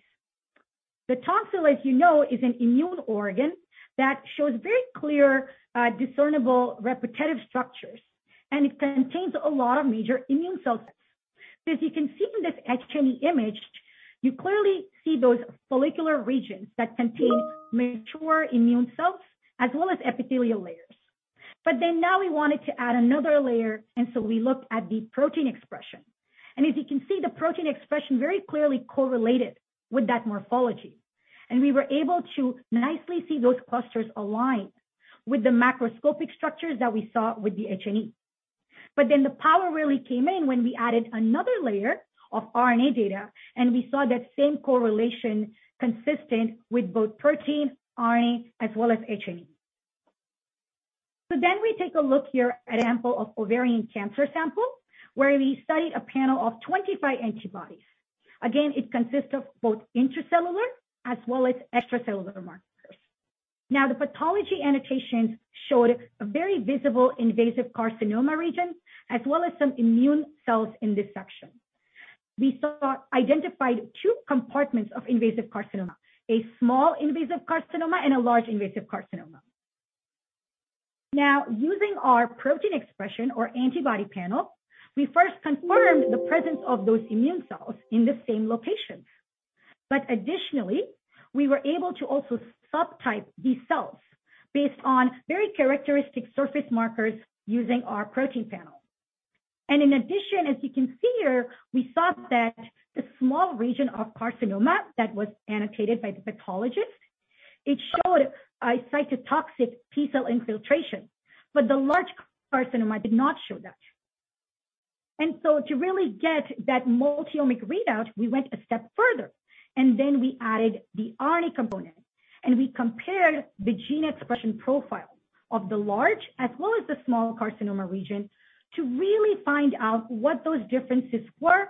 The tonsil, as you know, is an immune organ that shows very clear, discernible repetitive structures, and it contains a lot of major immune cell types. As you can see from this H&E image, you clearly see those follicular regions that contain mature immune cells as well as epithelial layers. Now we wanted to add another layer, and so we looked at the protein expression. As you can see, the protein expression very clearly correlated with that morphology. We were able to nicely see those clusters align with the macroscopic structures that we saw with the H&E. The power really came in when we added another layer of RNA data, and we saw that same correlation consistent with both protein, RNA, as well as H&E. We take a look here at an example of an ovarian cancer sample, where we studied a panel of 25 antibodies. Again, it consists of both intracellular as well as extracellular markers. Now, the pathology annotations showed a very visible invasive carcinoma region, as well as some immune cells in this section. We identified two compartments of invasive carcinoma, a small invasive carcinoma and a large invasive carcinoma. Now, using our protein expression or antibody panel, we first confirmed the presence of those immune cells in the same location. Additionally, we were able to also subtype these cells based on very characteristic surface markers using our protein panel. In addition, as you can see here, we saw that the small region of carcinoma that was annotated by the pathologist, it showed a cytotoxic T cell infiltration, but the large carcinoma did not show that. To really get that multi-omic readout, we went a step further, and then we added the RNA component, and we compared the gene expression profile of the large as well as the small carcinoma region to really find out what those differences were.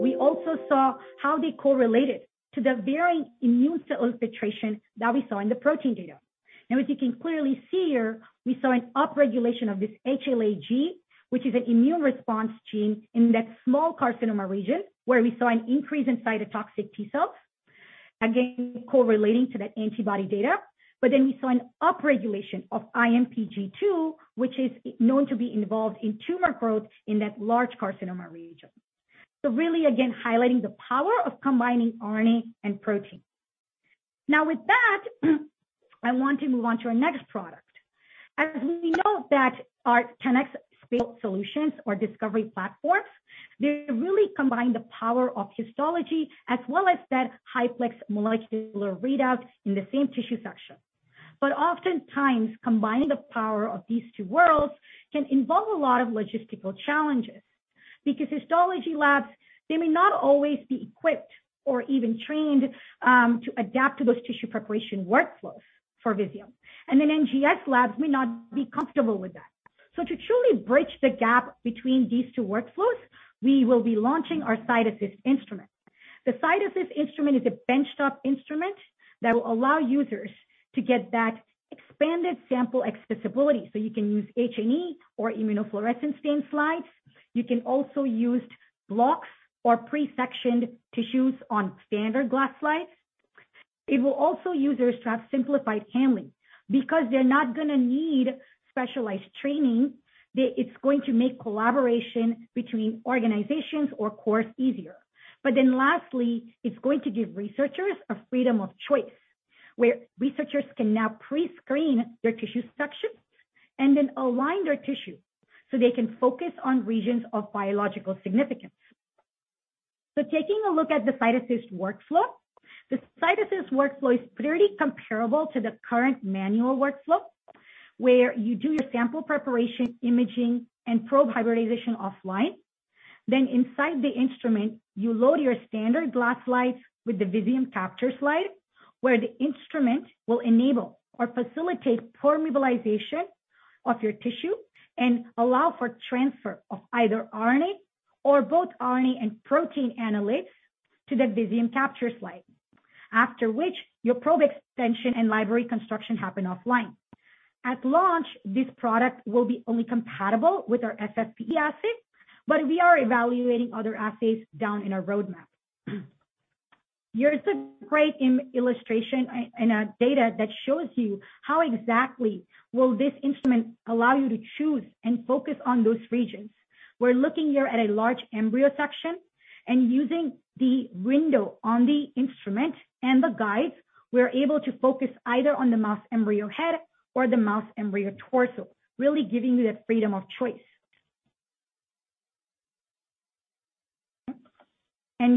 We also saw how they correlated to the varying immune cell infiltration that we saw in the protein data. Now, as you can clearly see here, we saw an upregulation of this HLA-G, which is an immune response gene in that small carcinoma region where we saw an increase in cytotoxic T cells, again, correlating to that antibody data. We saw an upregulation of INPG-2, which is known to be involved in tumor growth in that large carcinoma region. Really, again, highlighting the power of combining RNA and protein. Now with that, I want to move on to our next product. As we know that our 10x Spatial solutions or discovery platforms, they really combine the power of histology as well as that highplex molecular readout in the same tissue section. Oftentimes, combining the power of these two worlds can involve a lot of logistical challenges because histology labs, they may not always be equipped or even trained, to adapt to those tissue preparation workflows for Visium. NGS labs may not be comfortable with that. To truly bridge the gap between these two workflows, we will be launching our CytAssist instrument. The CytAssist instrument is a benchtop instrument that will allow users to get that expanded sample accessibility, so you can use H&E or immunofluorescence stained slides. You can also use blocks or pre-sectioned tissues on standard glass slides. It will also allow users to have simplified handling because they're not gonna need specialized training. It's going to make collaboration between organizations of course easier. Lastly, it's going to give researchers a freedom of choice, where researchers can now pre-screen their tissue sections and then align their tissue so they can focus on regions of biological significance. Taking a look at the CytAssist workflow, the CytAssist workflow is pretty comparable to the current manual workflow, where you do your sample preparation, imaging, and probe hybridization offline. Inside the instrument, you load your standard glass slides with the Visium capture slide, where the instrument will enable or facilitate permeabilization of your tissue and allow for transfer of either RNA or both RNA and protein analytes to the Visium capture slide. After which your probe extension and library construction happen offline. At launch, this product will be only compatible with our FFPE assays, but we are evaluating other assays down in our roadmap. Here's a great illustration and, data that shows you how exactly will this instrument allow you to choose and focus on those regions. We're looking here at a large embryo section and using the window on the instrument and the guides, we're able to focus either on the mouse embryo head or the mouse embryo torso, really giving you that freedom of choice.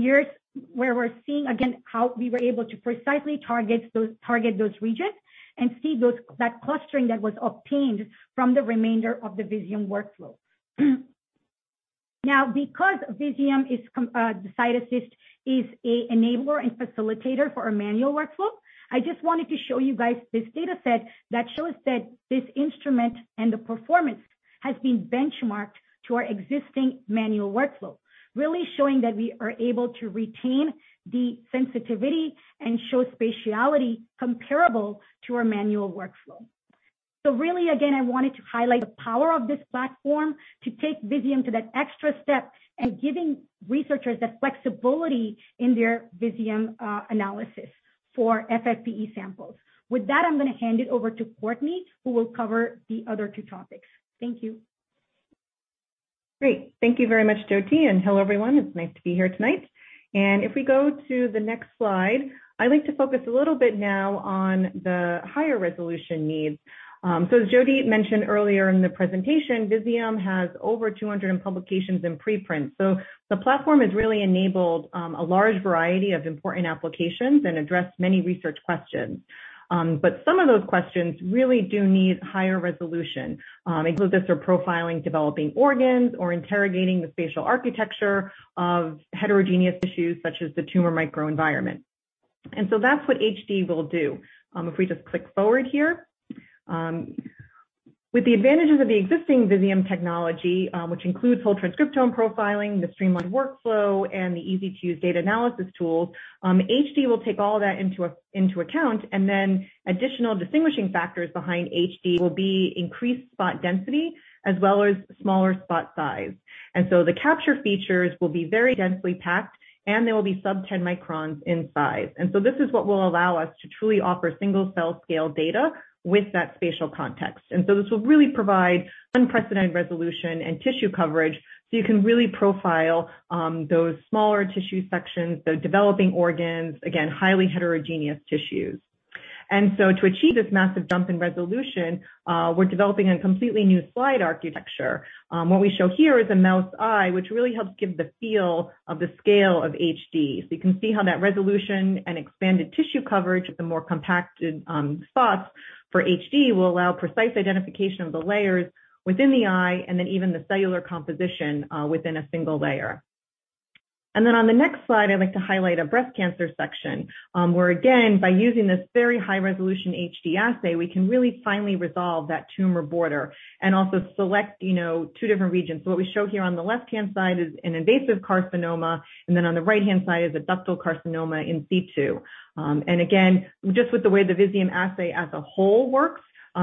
Here's where we're seeing again how we were able to precisely target those regions and see that clustering that was obtained from the remainder of the Visium workflow. Now, because CytAssist is an enabler and facilitator for our manual workflow, I just wanted to show you guys this data set that shows that this instrument and the performance has been benchmarked to our existing manual workflow, really showing that we are able to retain the sensitivity and show spatiality comparable to our manual workflow. Really, again, I wanted to highlight the power of this platform to take Visium to that extra step and giving researchers that flexibility in their Visium analysis for FFPE samples. With that, I'm gonna hand it over to Courtney, who will cover the other two topics. Thank you. Great. Thank you very much, Jyoti, and hello, everyone. It's nice to be here tonight. If we go to the next slide, I'd like to focus a little bit now on the higher resolution needs. As Jyoti mentioned earlier in the presentation, Visium has over 200 in publications and preprints. The platform has really enabled a large variety of important applications and addressed many research questions. Some of those questions really do need higher resolution, inclusive for profiling developing organs or interrogating the spatial architecture of heterogeneous tissues such as the tumor microenvironment. That's what HD will do. If we just click forward here, with the advantages of the existing Visium technology, which includes whole transcriptome profiling, the streamlined workflow, and the easy-to-use data analysis tools, HD will take all that into account, and then additional distinguishing factors behind HD will be increased spot density as well as smaller spot size. The capture features will be very densely packed, and they will be sub-10 microns in size. This is what will allow us to truly offer single-cell scale data with that spatial context. This will really provide unprecedented resolution and tissue coverage, so you can really profile those smaller tissue sections, those developing organs, again, highly heterogeneous tissues. To achieve this massive jump in resolution, we're developing a completely new slide architecture. What we show here is a mouse eye, which really helps give the feel of the scale of HD. So you can see how that resolution and expanded tissue coverage with the more compacted, spots for HD will allow precise identification of the layers within the eye and then even the cellular composition, within a single layer. On the next slide, I'd like to highlight a breast cancer section, where again, by using this very high resolution HD assay, we can really finally resolve that tumor border and also select, you know, two different regions. What we show here on the left-hand side is an invasive carcinoma, and then on the right-hand side is a ductal carcinoma in situ. Just with the way the Visium assay as a whole works,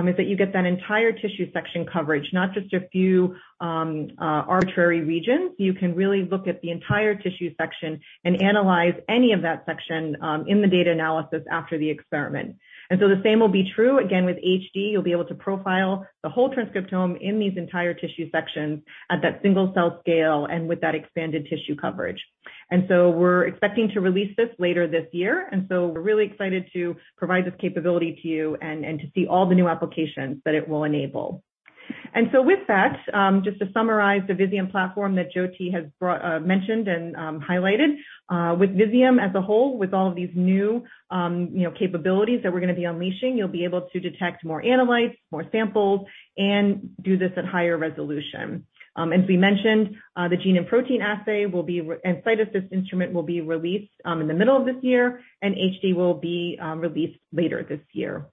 is that you get that entire tissue section coverage, not just a few arbitrary regions. You can really look at the entire tissue section and analyze any of that section in the data analysis after the experiment. The same will be true again with HD. You'll be able to profile the whole transcriptome in these entire tissue sections at that single-cell scale and with that expanded tissue coverage. We're expecting to release this later this year, and so we're really excited to provide this capability to you and to see all the new applications that it will enable. With that, just to summarize the Visium platform that Jyoti has brought, mentioned and highlighted, with Visium as a whole, with all of these new, you know, capabilities that we're gonna be unleashing, you'll be able to detect more analytes, more samples, and do this at higher resolution. As we mentioned, the gene and protein assay and CytAssist instrument will be released in the middle of this year, and HD will be released later this year.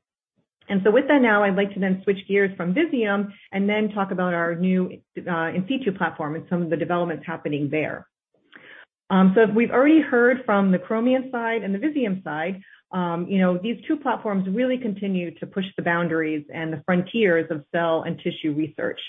With that now, I'd like to then switch gears from Visium and then talk about our new in situ platform and some of the developments happening there. As we've already heard from the Chromium side and the Visium side, you know, these two platforms really continue to push the boundaries and the frontiers of cell and tissue research.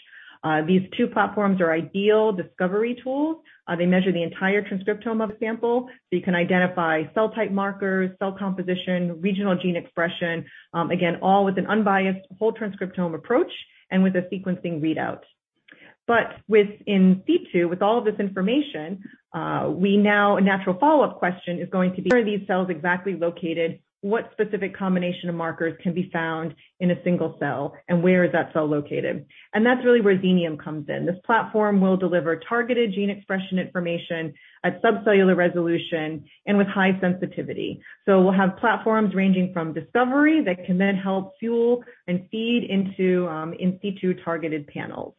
These two platforms are ideal discovery tools. They measure the entire transcriptome of a sample, so you can identify cell type markers, cell composition, regional gene expression, again, all with an unbiased whole transcriptome approach and with a sequencing readout. With in situ, with all this information, a natural follow-up question is going to be, where are these cells exactly located? What specific combination of markers can be found in a single cell, and where is that cell located? That's really where Xenium comes in. This platform will deliver targeted gene expression information at subcellular resolution and with high sensitivity. We'll have platforms ranging from discovery that can then help fuel and feed into in situ targeted panels.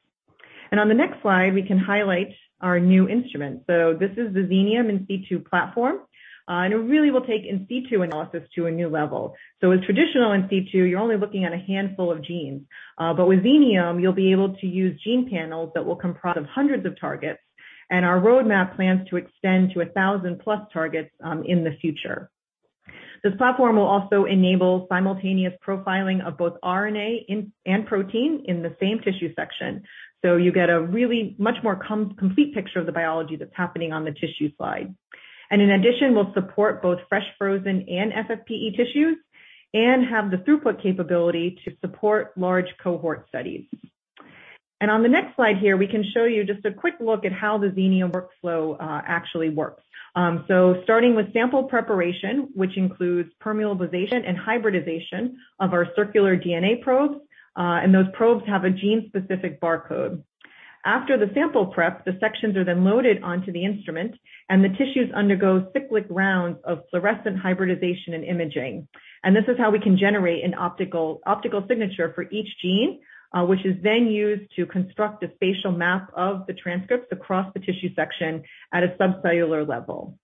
On the next slide, we can highlight our new instrument. This is the Xenium In Situ Platform, and it really will take in situ analysis to a new level. With traditional in situ, you're only looking at a handful of genes. With Xenium, you'll be able to use gene panels that will comprise of hundreds of targets, and our roadmap plans to extend to a thousand plus targets in the future. This platform will also enable simultaneous profiling of both RNA and protein in the same tissue section, so you get a really much more complete picture of the biology that's happening on the tissue slide. In addition, we'll support both fresh, frozen and FFPE tissues and have the throughput capability to support large cohort studies. On the next slide here, we can show you just a quick look at how the Xenium workflow actually works. Starting with sample preparation, which includes permeabilization and hybridization of our circular DNA probes, and those probes have a gene-specific barcode. After the sample prep, the sections are then loaded onto the instrument and the tissues undergo cyclic rounds of fluorescent hybridization and imaging. This is how we can generate an optical signature for each gene, which is then used to construct a spatial map of the transcripts across the tissue section at a subcellular level.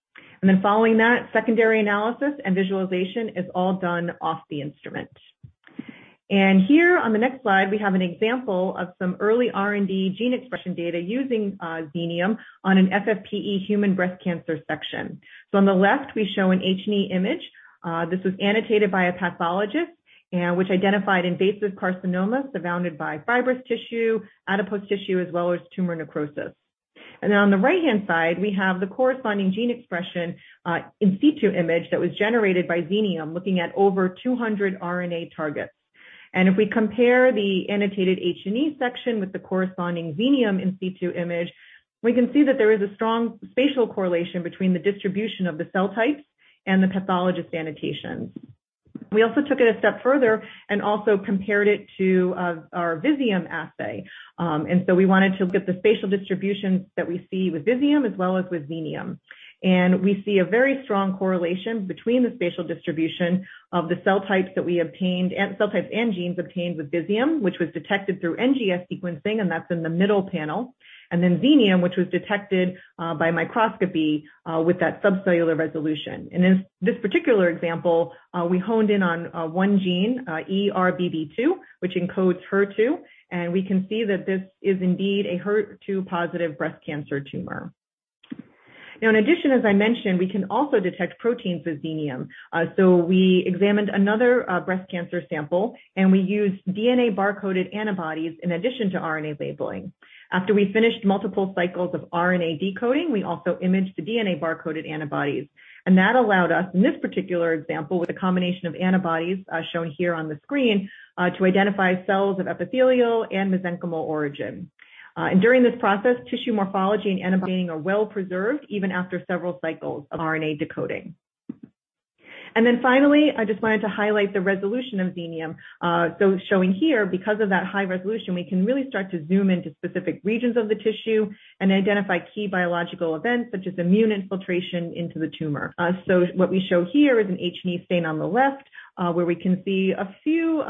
Following that, secondary analysis and visualization is all done off the instrument. Here on the next slide, we have an example of some early R&D gene expression data using Xenium on an FFPE human breast cancer section. On the left we show an H&E image. This was annotated by a pathologist, which identified invasive carcinomas surrounded by fibrous tissue, adipose tissue, as well as tumor necrosis. On the right-hand side, we have the corresponding gene expression in situ image that was generated by Xenium, looking at over 200 RNA targets. If we compare the annotated H&E section with the corresponding Xenium in situ image, we can see that there is a strong spatial correlation between the distribution of the cell types and the pathologist annotations. We also took it a step further and also compared it to our Visium assay. We wanted to look at the spatial distributions that we see with Visium as well as with Xenium. We see a very strong correlation between the spatial distribution of the cell types that we obtained and cell types and genes obtained with Visium, which was detected through NGS sequencing, and that's in the middle panel. Xenium, which was detected by microscopy with that subcellular resolution. In this particular example, we honed in on one gene, ERBB2, which encodes HER2, and we can see that this is indeed a HER2 positive breast cancer tumor. Now in addition, as I mentioned, we can also detect proteins with Xenium. We examined another breast cancer sample, and we used DNA bar-coded antibodies in addition to RNA labeling. After we finished multiple cycles of RNA decoding, we also imaged the DNA bar-coded antibodies. That allowed us, in this particular example, with a combination of antibodies, shown here on the screen, to identify cells of epithelial and mesenchymal origin. During this process, tissue morphology and antibody staining are well preserved even after several cycles of RNA decoding. Finally, I just wanted to highlight the resolution of Xenium, showing here, because of that high resolution, we can really start to zoom into specific regions of the tissue and identify key biological events such as immune infiltration into the tumor. What we show here is an H&E stain on the left, where we can see a few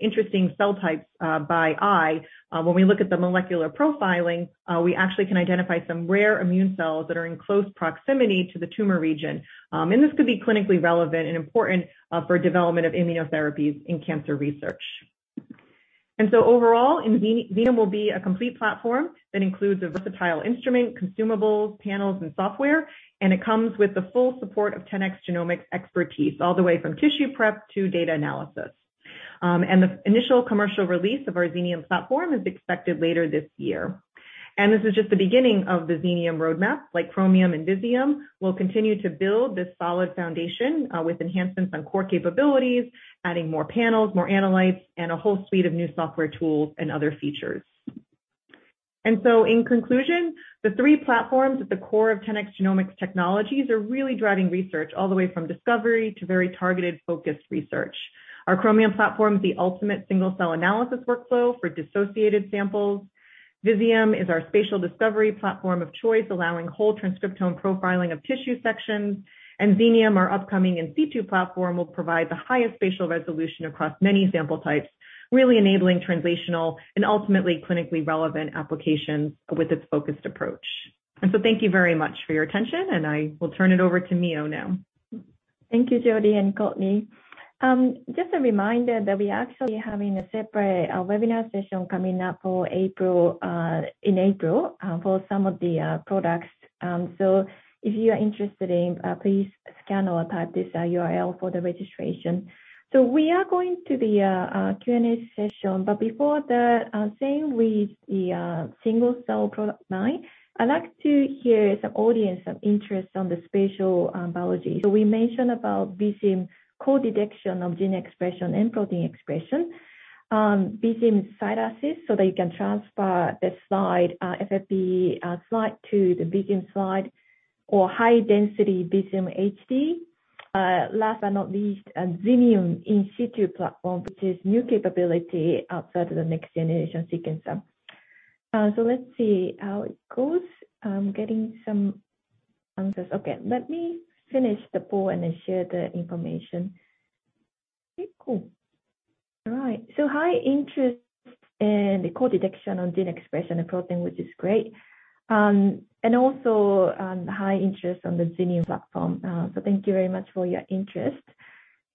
interesting cell types by eye. When we look at the molecular profiling, we actually can identify some rare immune cells that are in close proximity to the tumor region. This could be clinically relevant and important for development of immunotherapies in cancer research. Overall, Xenium will be a complete platform that includes a versatile instrument, consumables, panels and software, and it comes with the full support of 10x Genomics expertise, all the way from tissue prep to data analysis. The initial commercial release of our Xenium platform is expected later this year. This is just the beginning of the Xenium roadmap. Like Chromium and Visium, we'll continue to build this solid foundation with enhancements on core capabilities, adding more panels, more analytes, and a whole suite of new software tools and other features. In conclusion, the three platforms at the core of 10x Genomics's technologies are really driving research all the way from discovery to very targeted, focused research. Our Chromium platform is the ultimate single-cell analysis workflow for dissociated samples. Visium is our spatial discovery platform of choice, allowing whole transcriptome profiling of tissue sections. Xenium, our upcoming in situ platform, will provide the highest spatial resolution across many sample types, really enabling translational and ultimately clinically relevant applications with its focused approach. Thank you very much for your attention, and I will turn it over to Mio now. Thank you, Jyoti and Courtney. Just a reminder that we are actually having a separate webinar session coming up for April for some of the products. If you are interested, please scan or type this URL for the registration. We are going to the Q&A session, but before that, same with the single cell product line, I'd like to hear some audience interest on the spatial biology. We mentioned about Visium Spatial Gene and Protein Expression. Visium CytAssist, so that you can transfer the slide, FFPE slide to the Visium slide. Or high-density Visium HD. Last but not least, Xenium In Situ Platform, which is new capability outside of the next generation sequencer. Let's see how it goes. I'm getting some answers. Okay, let me finish the poll and then share the information. All right. High interest in the co-detection on gene expression and protein, which is great. Also, high interest on the Xenium platform. Thank you very much for your interest.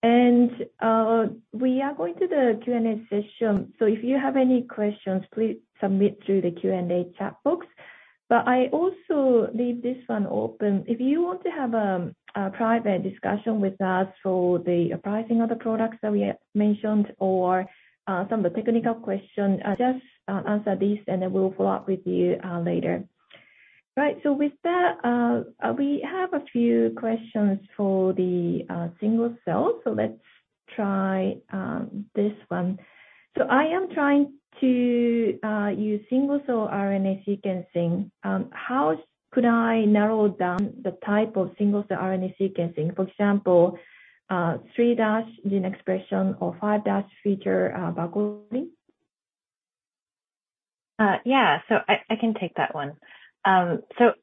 We are going to the Q&A session. If you have any questions, please submit through the Q&A chat box. I also leave this one open. If you want to have a private discussion with us for the pricing of the products that we mentioned or some of the technical questions, just answer these and then we'll follow up with you later. Right. With that, we have a few questions for the single cell. Let's try this one. I am trying to use single cell RNA sequencing. How could I narrow down the type of single cell RNA sequencing, for example, three' gene expression or five' feature barcoding? Yeah. I can take that one.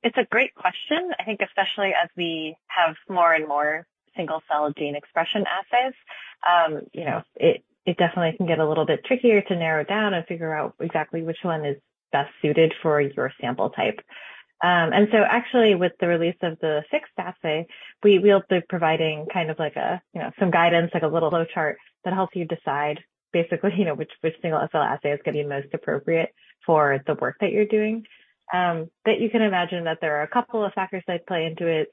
It's a great question. I think especially as we have more and more single cell gene expression assays, you know, it definitely can get a little bit trickier to narrow down and figure out exactly which one is best suited for your sample type. Actually with the release of the fixed assay, we'll be providing kind of like a, you know, some guidance, like a little flow chart that helps you decide basically, you know, which single cell assay is going to be most appropriate for the work that you're doing. You can imagine that there are a couple of factors that play into it.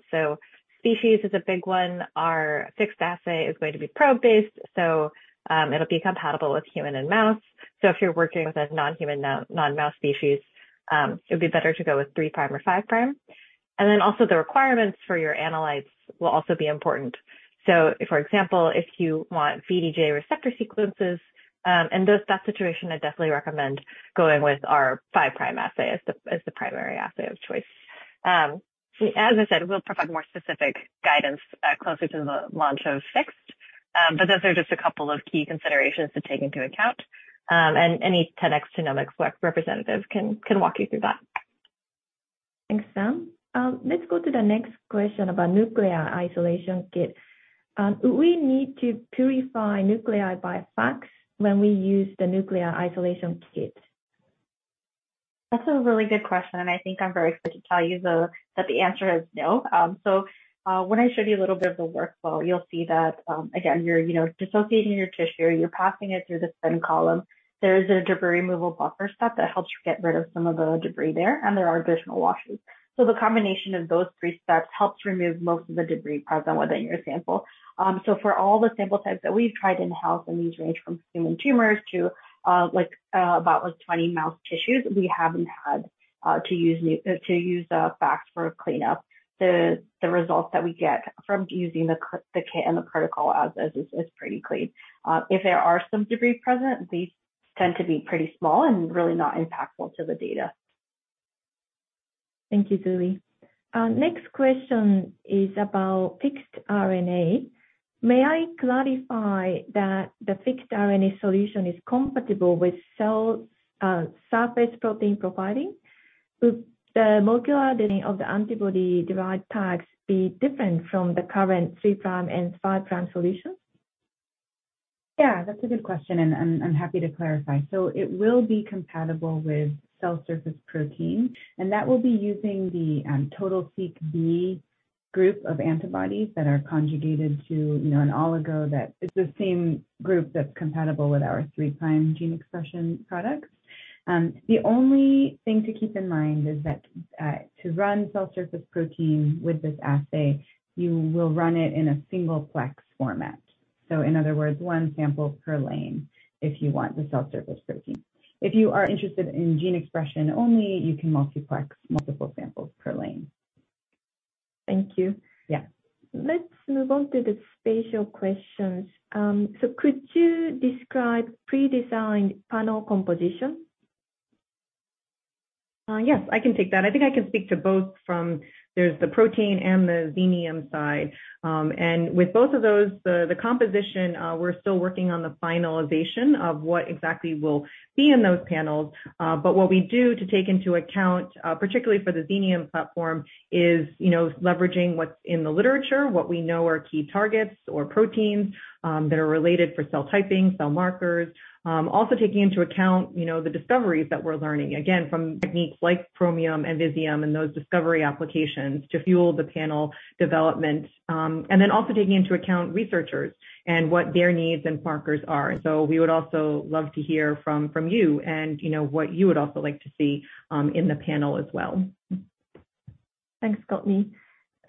Species is a big one. Our fixed assay is going to be probe-based, it'll be compatible with human and mouse. If you're working with a non-human, non-mouse species, it would be better to go with three-prime or five-prime. Then also the requirements for your analytes will also be important. For example, if you want VDJ receptor sequences, in that situation, I definitely recommend going with our five-prime assay as the primary assay of choice. As I said, we'll provide more specific guidance closer to the launch of fixed. But those are just a couple of key considerations to take into account. Any 10x Genomics representative can walk you through that. Thanks, Sam. Let's go to the next question about Nuclei Isolation Kit. We need to purify nuclei by FACS when we use the Nuclei Isolation Kit? That's a really good question, and I think I'm very pleased to tell you that the answer is no. When I show you a little bit of the workflow, you'll see that, again, you're, you know, dissociating your tissue, you're passing it through the spin column. There is a debris removal buffer step that helps you get rid of some of the debris there, and there are additional washes. The combination of those three steps helps remove most of the debris present within your sample. For all the sample types that we've tried in-house, and these range from human tumors to, like, about 20 mouse tissues, we haven't had to use FACS for cleanup. The results that we get from using the kit and the protocol as is is pretty clean. If there are some debris present, these tend to be pretty small and really not impactful to the data. Thank you, Zuly. Next question is about fixed RNA. May I clarify that the fixed RNA solution is compatible with cell surface protein profiling? Would the molecular destiny of the antibody-derived tags be different from the current three-prime and five-prime solutions? Yeah, that's a good question, and I'm happy to clarify. So it will be compatible with cell surface protein, and that will be using the TotalSeq-B group of antibodies that are conjugated to, you know, an oligo that is the same group that's compatible with our three-prime gene expression products. The only thing to keep in mind is that to run cell surface protein with this assay, you will run it in a single-plex format. So in other words, one sample per lane if you want the cell surface protein. If you are interested in gene expression only, you can multiplex multiple samples per lane. Thank you. Yeah. Let's move on to the spatial questions. Could you describe pre-designed panel composition? Yes, I can take that. I think I can speak to both from the protein and the Xenium side. With both of those, the composition, we're still working on the finalization of what exactly will be in those panels. What we do to take into account, particularly for the Xenium platform, is, you know, leveraging what's in the literature, what we know are key targets or proteins, that are related for cell typing, cell markers. Also taking into account, you know, the discoveries that we're learning, again, from techniques like Chromium and Visium and those discovery applications to fuel the panel development. Then also taking into account researchers and what their needs and markers are. We would also love to hear from you and you know, what you would also like to see in the panel as well. Thanks, Courtney.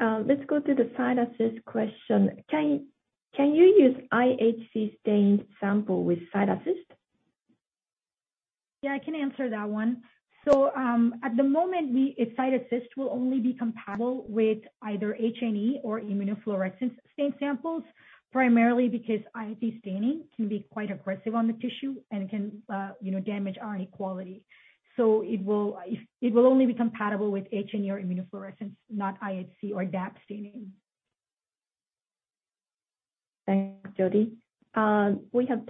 Let's go to the CytAssist question. Can you use IHC-stained sample with CytAssist? Yeah, I can answer that one. At the moment, CytAssist will only be compatible with either H&E or immunofluorescence stained samples, primarily because IHC staining can be quite aggressive on the tissue and can, you know, damage RNA quality. It will only be compatible with H&E or immunofluorescence, not IHC or DAPI staining. Thanks, Jyoti. We have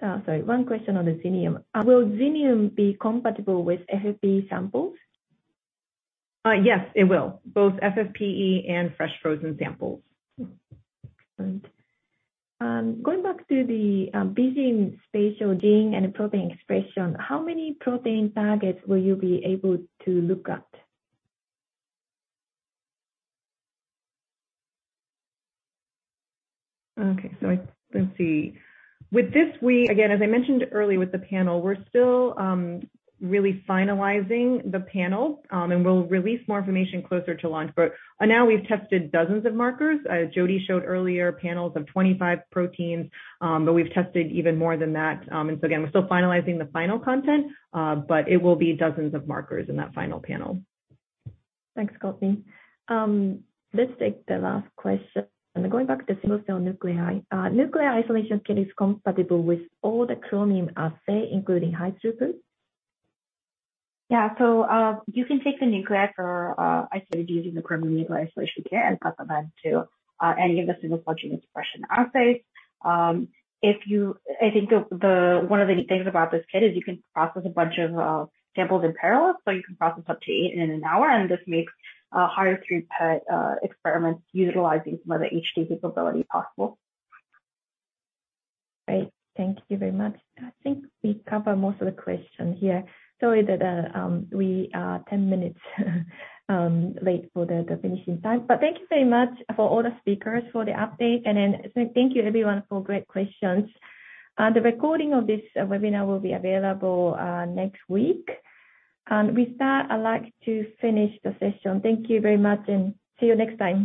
one question on the Xenium. Will Xenium be compatible with FFPE samples? Yes, it will. Both FFPE and fresh frozen samples. Going back to the Visium Spatial Gene and Protein Expression, how many protein targets will you be able to look at? Okay, let's see. Again, as I mentioned earlier with the panel, we're still really finalizing the panel, and we'll release more information closer to launch. For now we've tested dozens of markers. Jyoti showed earlier panels of 25 proteins, but we've tested even more than that. Again, we're still finalizing the final content, but it will be dozens of markers in that final panel. Thanks, Courtney. Let's take the last question. Going back to the Chromium Nuclei Isolation Kit, is it compatible with all the Chromium assays, including high-throughput? You can take the nuclei isolated using the Chromium Nuclei Isolation Kit and put them into any of the single cell gene expression assays. I think one of the things about this kit is you can process a bunch of samples in parallel. You can process up to eight in an hour, and this makes higher throughput experiments utilizing some of the HT capability possible. Great. Thank you very much. I think we covered most of the question here. Sorry that we are 10 minutes late for the finishing time, but thank you very much for all the speakers for the update. Thank you everyone for great questions. The recording of this webinar will be available next week. With that, I'd like to finish the session. Thank you very much and see you next time.